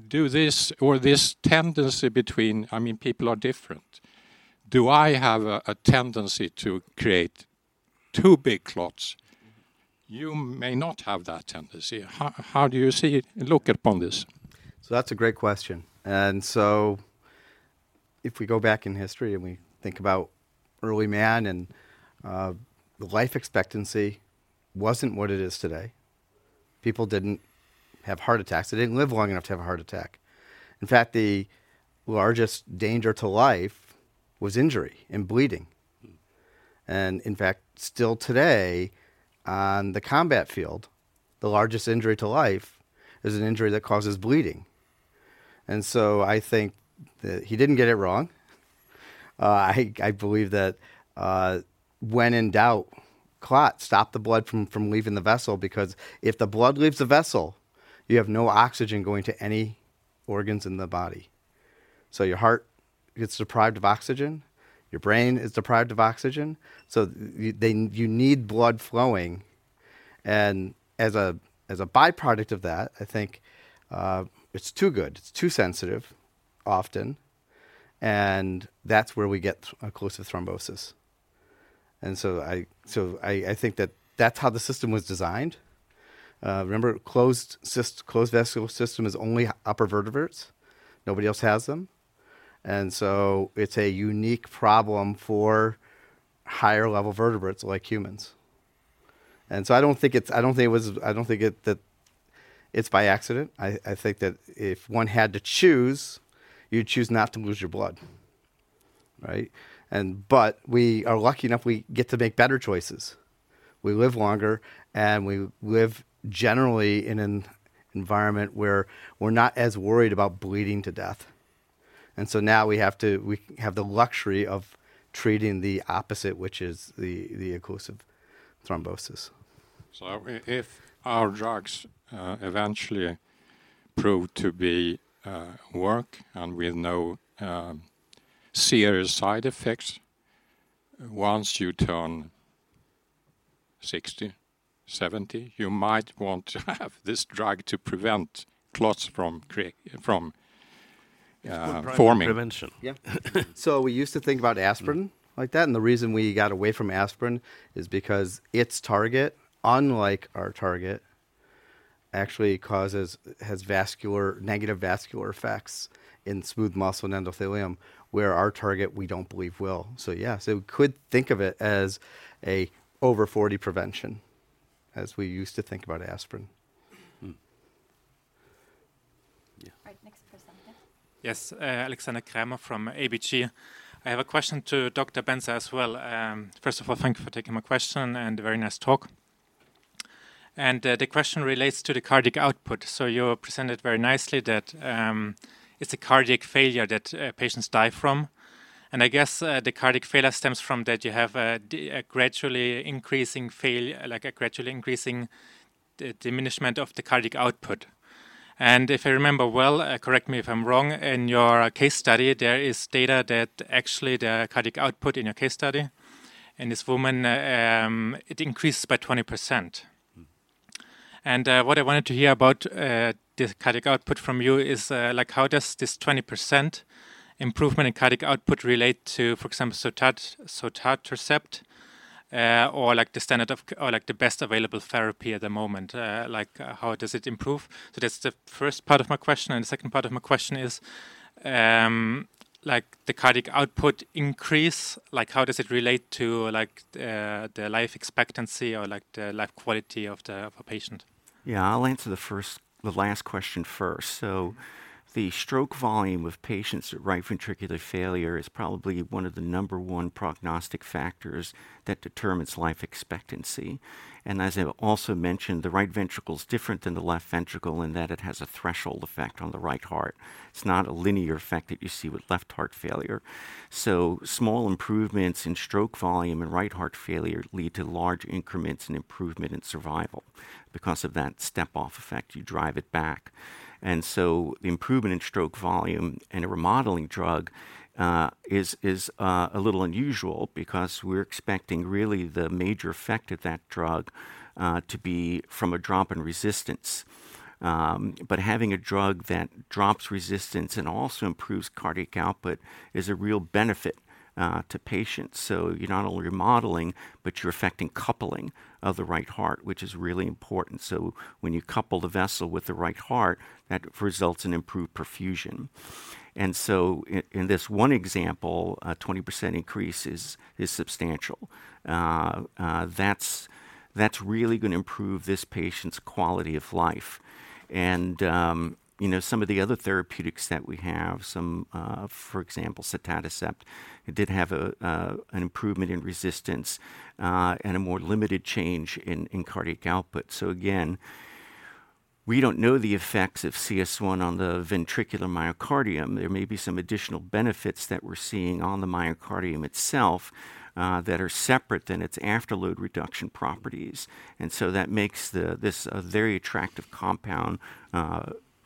Do this or this tendency between... I mean, people are different. Do I have a tendency to create two big clots? Mm-hmm. You may not have that tendency. How, how do you see, look upon this? So that's a great question. And so if we go back in history, and we think about early man and the life expectancy wasn't what it is today. People didn't have heart attacks. They didn't live long enough to have a heart attack. In fact, the largest danger to life was injury and bleeding. Mm-hmm. In fact, still today, on the combat field, the largest injury to life is an injury that causes bleeding. I think that he didn't get it wrong. I believe that, when in doubt, clot, stop the blood from leaving the vessel, because if the blood leaves the vessel, you have no oxygen going to any organs in the body. Your heart gets deprived of oxygen, your brain is deprived of oxygen, so you need blood flowing. As a by-product of that, I think it's too good. It's too sensitive, often, and that's where we get occlusive thrombosis. So I think that that's how the system was designed. Remember, closed vascular system is only upper vertebrates. Nobody else has them. And so it's a unique problem for higher-level vertebrates, like humans. And so I don't think that it's by accident. I think that if one had to choose, you'd choose not to lose your blood, right? But we are lucky enough; we get to make better choices. We live longer, and we live generally in an environment where we're not as worried about bleeding to death. And so now we have the luxury of treating the opposite, which is the occlusive thrombosis. So if our drugs eventually prove to be work and with no serious side effects, once you turn 60, 70, you might want to have this drug to prevent clots from forming. It's good primary prevention. Yeah. So we used to think about aspirin like that, and the reason we got away from aspirin is because its target, unlike our target, actually causes negative vascular effects in smooth muscle and endothelium, where our target, we don't believe, will. So yeah, so could think of it as a over-40 prevention, as we used to think about aspirin. Hmm. Yeah. All right, next person. Yes, Alexander Kramer from ABG. I have a question to Dr. Benza as well. First of all, thank you for taking my question, and very nice talk. The question relates to the cardiac output. So you presented very nicely that it's a cardiac failure that patients die from. And I guess the cardiac failure stems from that you have a gradually increasing diminishment of the cardiac output. And if I remember well, correct me if I'm wrong, in your case study, there is data that actually the cardiac output in your case study, in this woman, it increased by 20%. Mm-hmm. What I wanted to hear about, the cardiac output from you is, like, how does this 20% improvement in cardiac output relate to, for example, sotatercept, or like the standard of care or like the best available therapy at the moment? Like, how does it improve? So that's the first part of my question, and the second part of my question is, like, the cardiac output increase? Like, how does it relate to, like, the life expectancy or, like, the life quality of the, of a patient? Yeah, I'll answer the first, the last question first. So the stroke volume of patients with right ventricular failure is probably one of the number one prognostic factors that determines life expectancy. And as I also mentioned, the right ventricle is different than the left ventricle, in that it has a threshold effect on the right heart. It's not a linear effect that you see with left heart failure. So small improvements in stroke volume and right heart failure lead to large increments in improvement in survival. Because of that step-off effect, you drive it back. And so the improvement in stroke volume and a remodeling drug is a little unusual because we're expecting really the major effect of that drug to be from a drop in resistance. But having a drug that drops resistance and also improves cardiac output is a real benefit to patients. So you're not only remodeling, but you're affecting coupling of the right heart, which is really important. So when you couple the vessel with the right heart, that results in improved perfusion. And so in this one example, a 20% increase is substantial. That's really going to improve this patient's quality of life. And you know, some of the other therapeutics that we have, for example, sotatercept, it did have a an improvement in resistance and a more limited change in cardiac output. So again, we don't know the effects of CS1 on the ventricular myocardium. There may be some additional benefits that we're seeing on the myocardium itself that are separate than its afterload reduction properties. That makes this a very attractive compound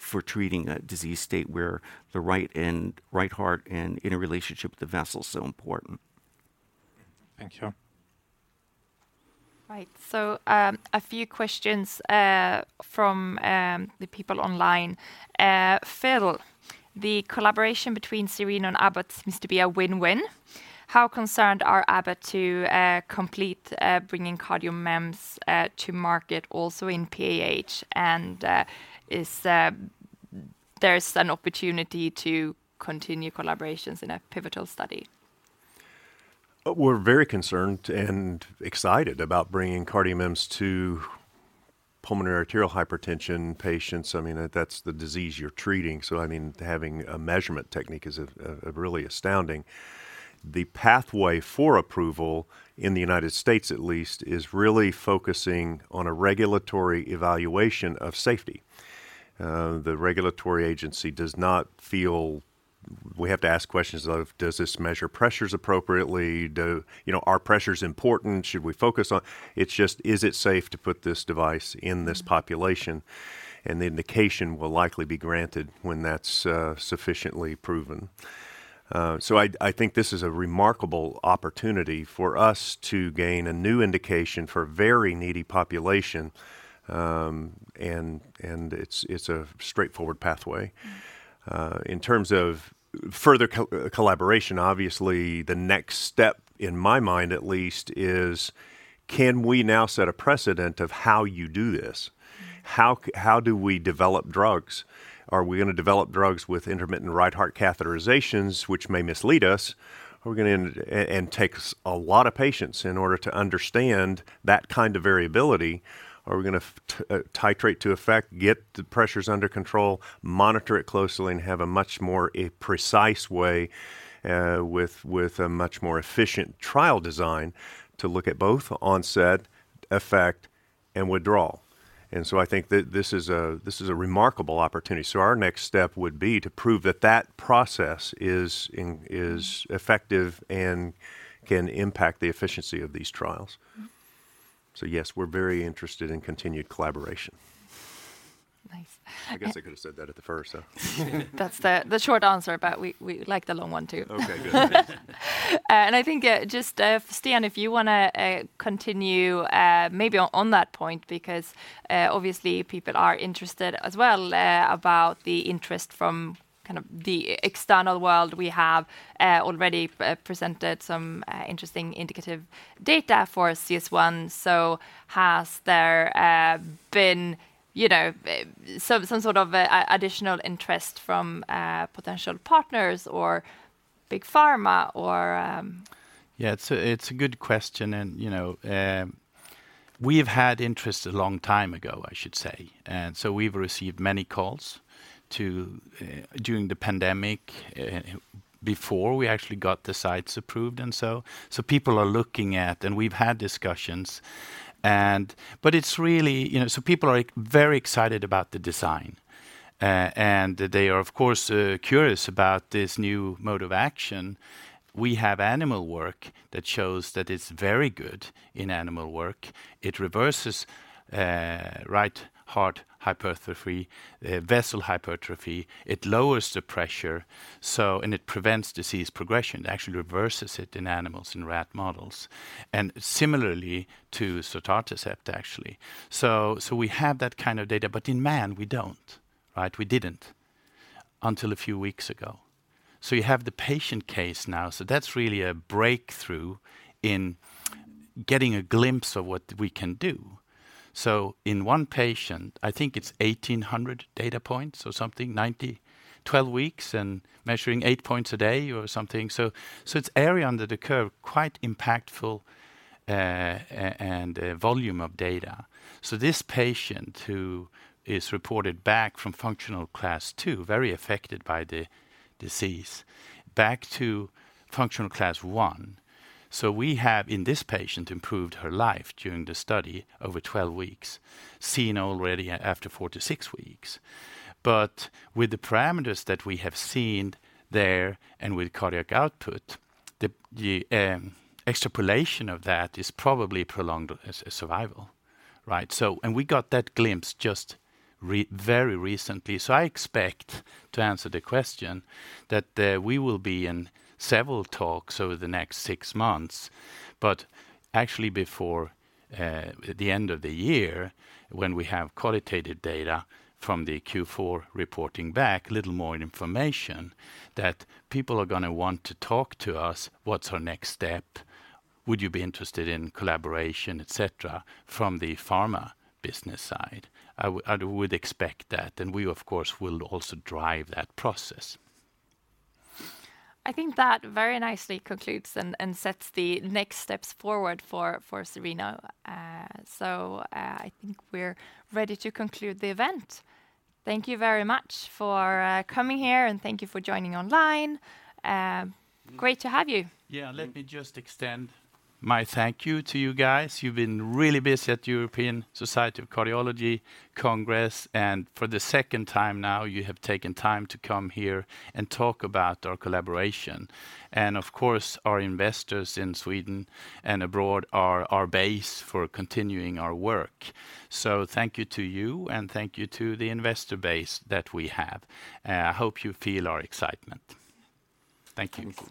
for treating a disease state where the right heart and in a relationship with the vessel is so important. Thank you. Right. So, a few questions from the people online. Phil, the collaboration between Cereno and Abbott seems to be a win-win. How concerned are Abbott to complete bringing CardioMEMS to market also in PAH? And, is there an opportunity to continue collaborations in a pivotal study? We're very concerned and excited about bringing CardioMEMS to pulmonary arterial hypertension patients. I mean, that's the disease you're treating, so, I mean, having a measurement technique is really astounding. The pathway for approval, in the United States at least, is really focusing on a regulatory evaluation of safety. The regulatory agency does not feel we have to ask questions of: Does this measure pressures appropriately? You know, are pressures important? Should we focus on... It's just, is it safe to put this device in this population? Mm-hmm. And the indication will likely be granted when that's sufficiently proven. So I think this is a remarkable opportunity for us to gain a new indication for a very needy population, and it's a straightforward pathway. Mm-hmm. In terms of further collaboration, obviously, the next step, in my mind at least, is: Can we now set a precedent of how you do this? Mm-hmm. How do we develop drugs? Are we gonna develop drugs with intermittent right heart catheterizations, which may mislead us? Are we gonna and takes a lot of patients in order to understand that kind of variability. Are we gonna titrate to effect, get the pressures under control, monitor it closely, and have a much more precise way, with a much more efficient trial design to look at both onset, effect, and withdrawal? And so I think that this is a remarkable opportunity. So our next step would be to prove that that process is in- Mm-hmm... is effective and can impact the efficiency of these trials. Mm-hmm. Yes, we're very interested in continued collaboration. Nice. I guess I could have said that at the first, so. That's the short answer, but we like the long one, too. Okay, good. And I think, just Sten, if you wanna continue maybe on that point, because obviously people are interested as well about the interest from kind of the external world. We have already presented some interesting indicative data for CS1. So has there been, you know, some sort of additional interest from potential partners or big pharma or Yeah, it's a good question, and you know, we've had interest a long time ago, I should say. And so we've received many calls to during the pandemic before we actually got the sites approved. And so people are looking at, and we've had discussions, and... But it's really. You know, so people are, like, very excited about the design. And they are, of course, curious about this new mode of action. We have animal work that shows that it's very good in animal work. It reverses right heart hypertrophy, vessel hypertrophy, it lowers the pressure, so, and it prevents disease progression. It actually reverses it in animals, in rat models, and similarly to sotatercept, actually. So we have that kind of data, but in man, we don't, right? We didn't until a few weeks ago. So you have the patient case now, so that's really a breakthrough in getting a glimpse of what we can do. So in one patient, I think it's 1,800 data points or something, 90-12 weeks and measuring 8 points a day or something. So, so it's area under the curve, quite impactful, and volume of data. So this patient who is reported back from functional class two, very affected by the disease, back to functional class one. So we have, in this patient, improved her life during the study over 12 weeks, seen already after 4-6 weeks. But with the parameters that we have seen there and with cardiac output, the extrapolation of that is probably prolonged survival, right? So and we got that glimpse just very recently. So I expect, to answer the question, that we will be in several talks over the next six months, but actually before the end of the year, when we have qualitative data from the Q4 reporting back, little more information, that people are gonna want to talk to us: What's our next step? Would you be interested in collaboration, et cetera, from the pharma business side? I would expect that, and we, of course, will also drive that process. I think that very nicely concludes and sets the next steps forward for Cereno. So, I think we're ready to conclude the event. Thank you very much for coming here, and thank you for joining online. Great to have you! Yeah. Let me just extend my thank you to you guys. You've been really busy at European Society of Cardiology Congress, and for the second time now, you have taken time to come here and talk about our collaboration. And of course, our investors in Sweden and abroad are our base for continuing our work. So thank you to you, and thank you to the investor base that we have. I hope you feel our excitement. Thank you.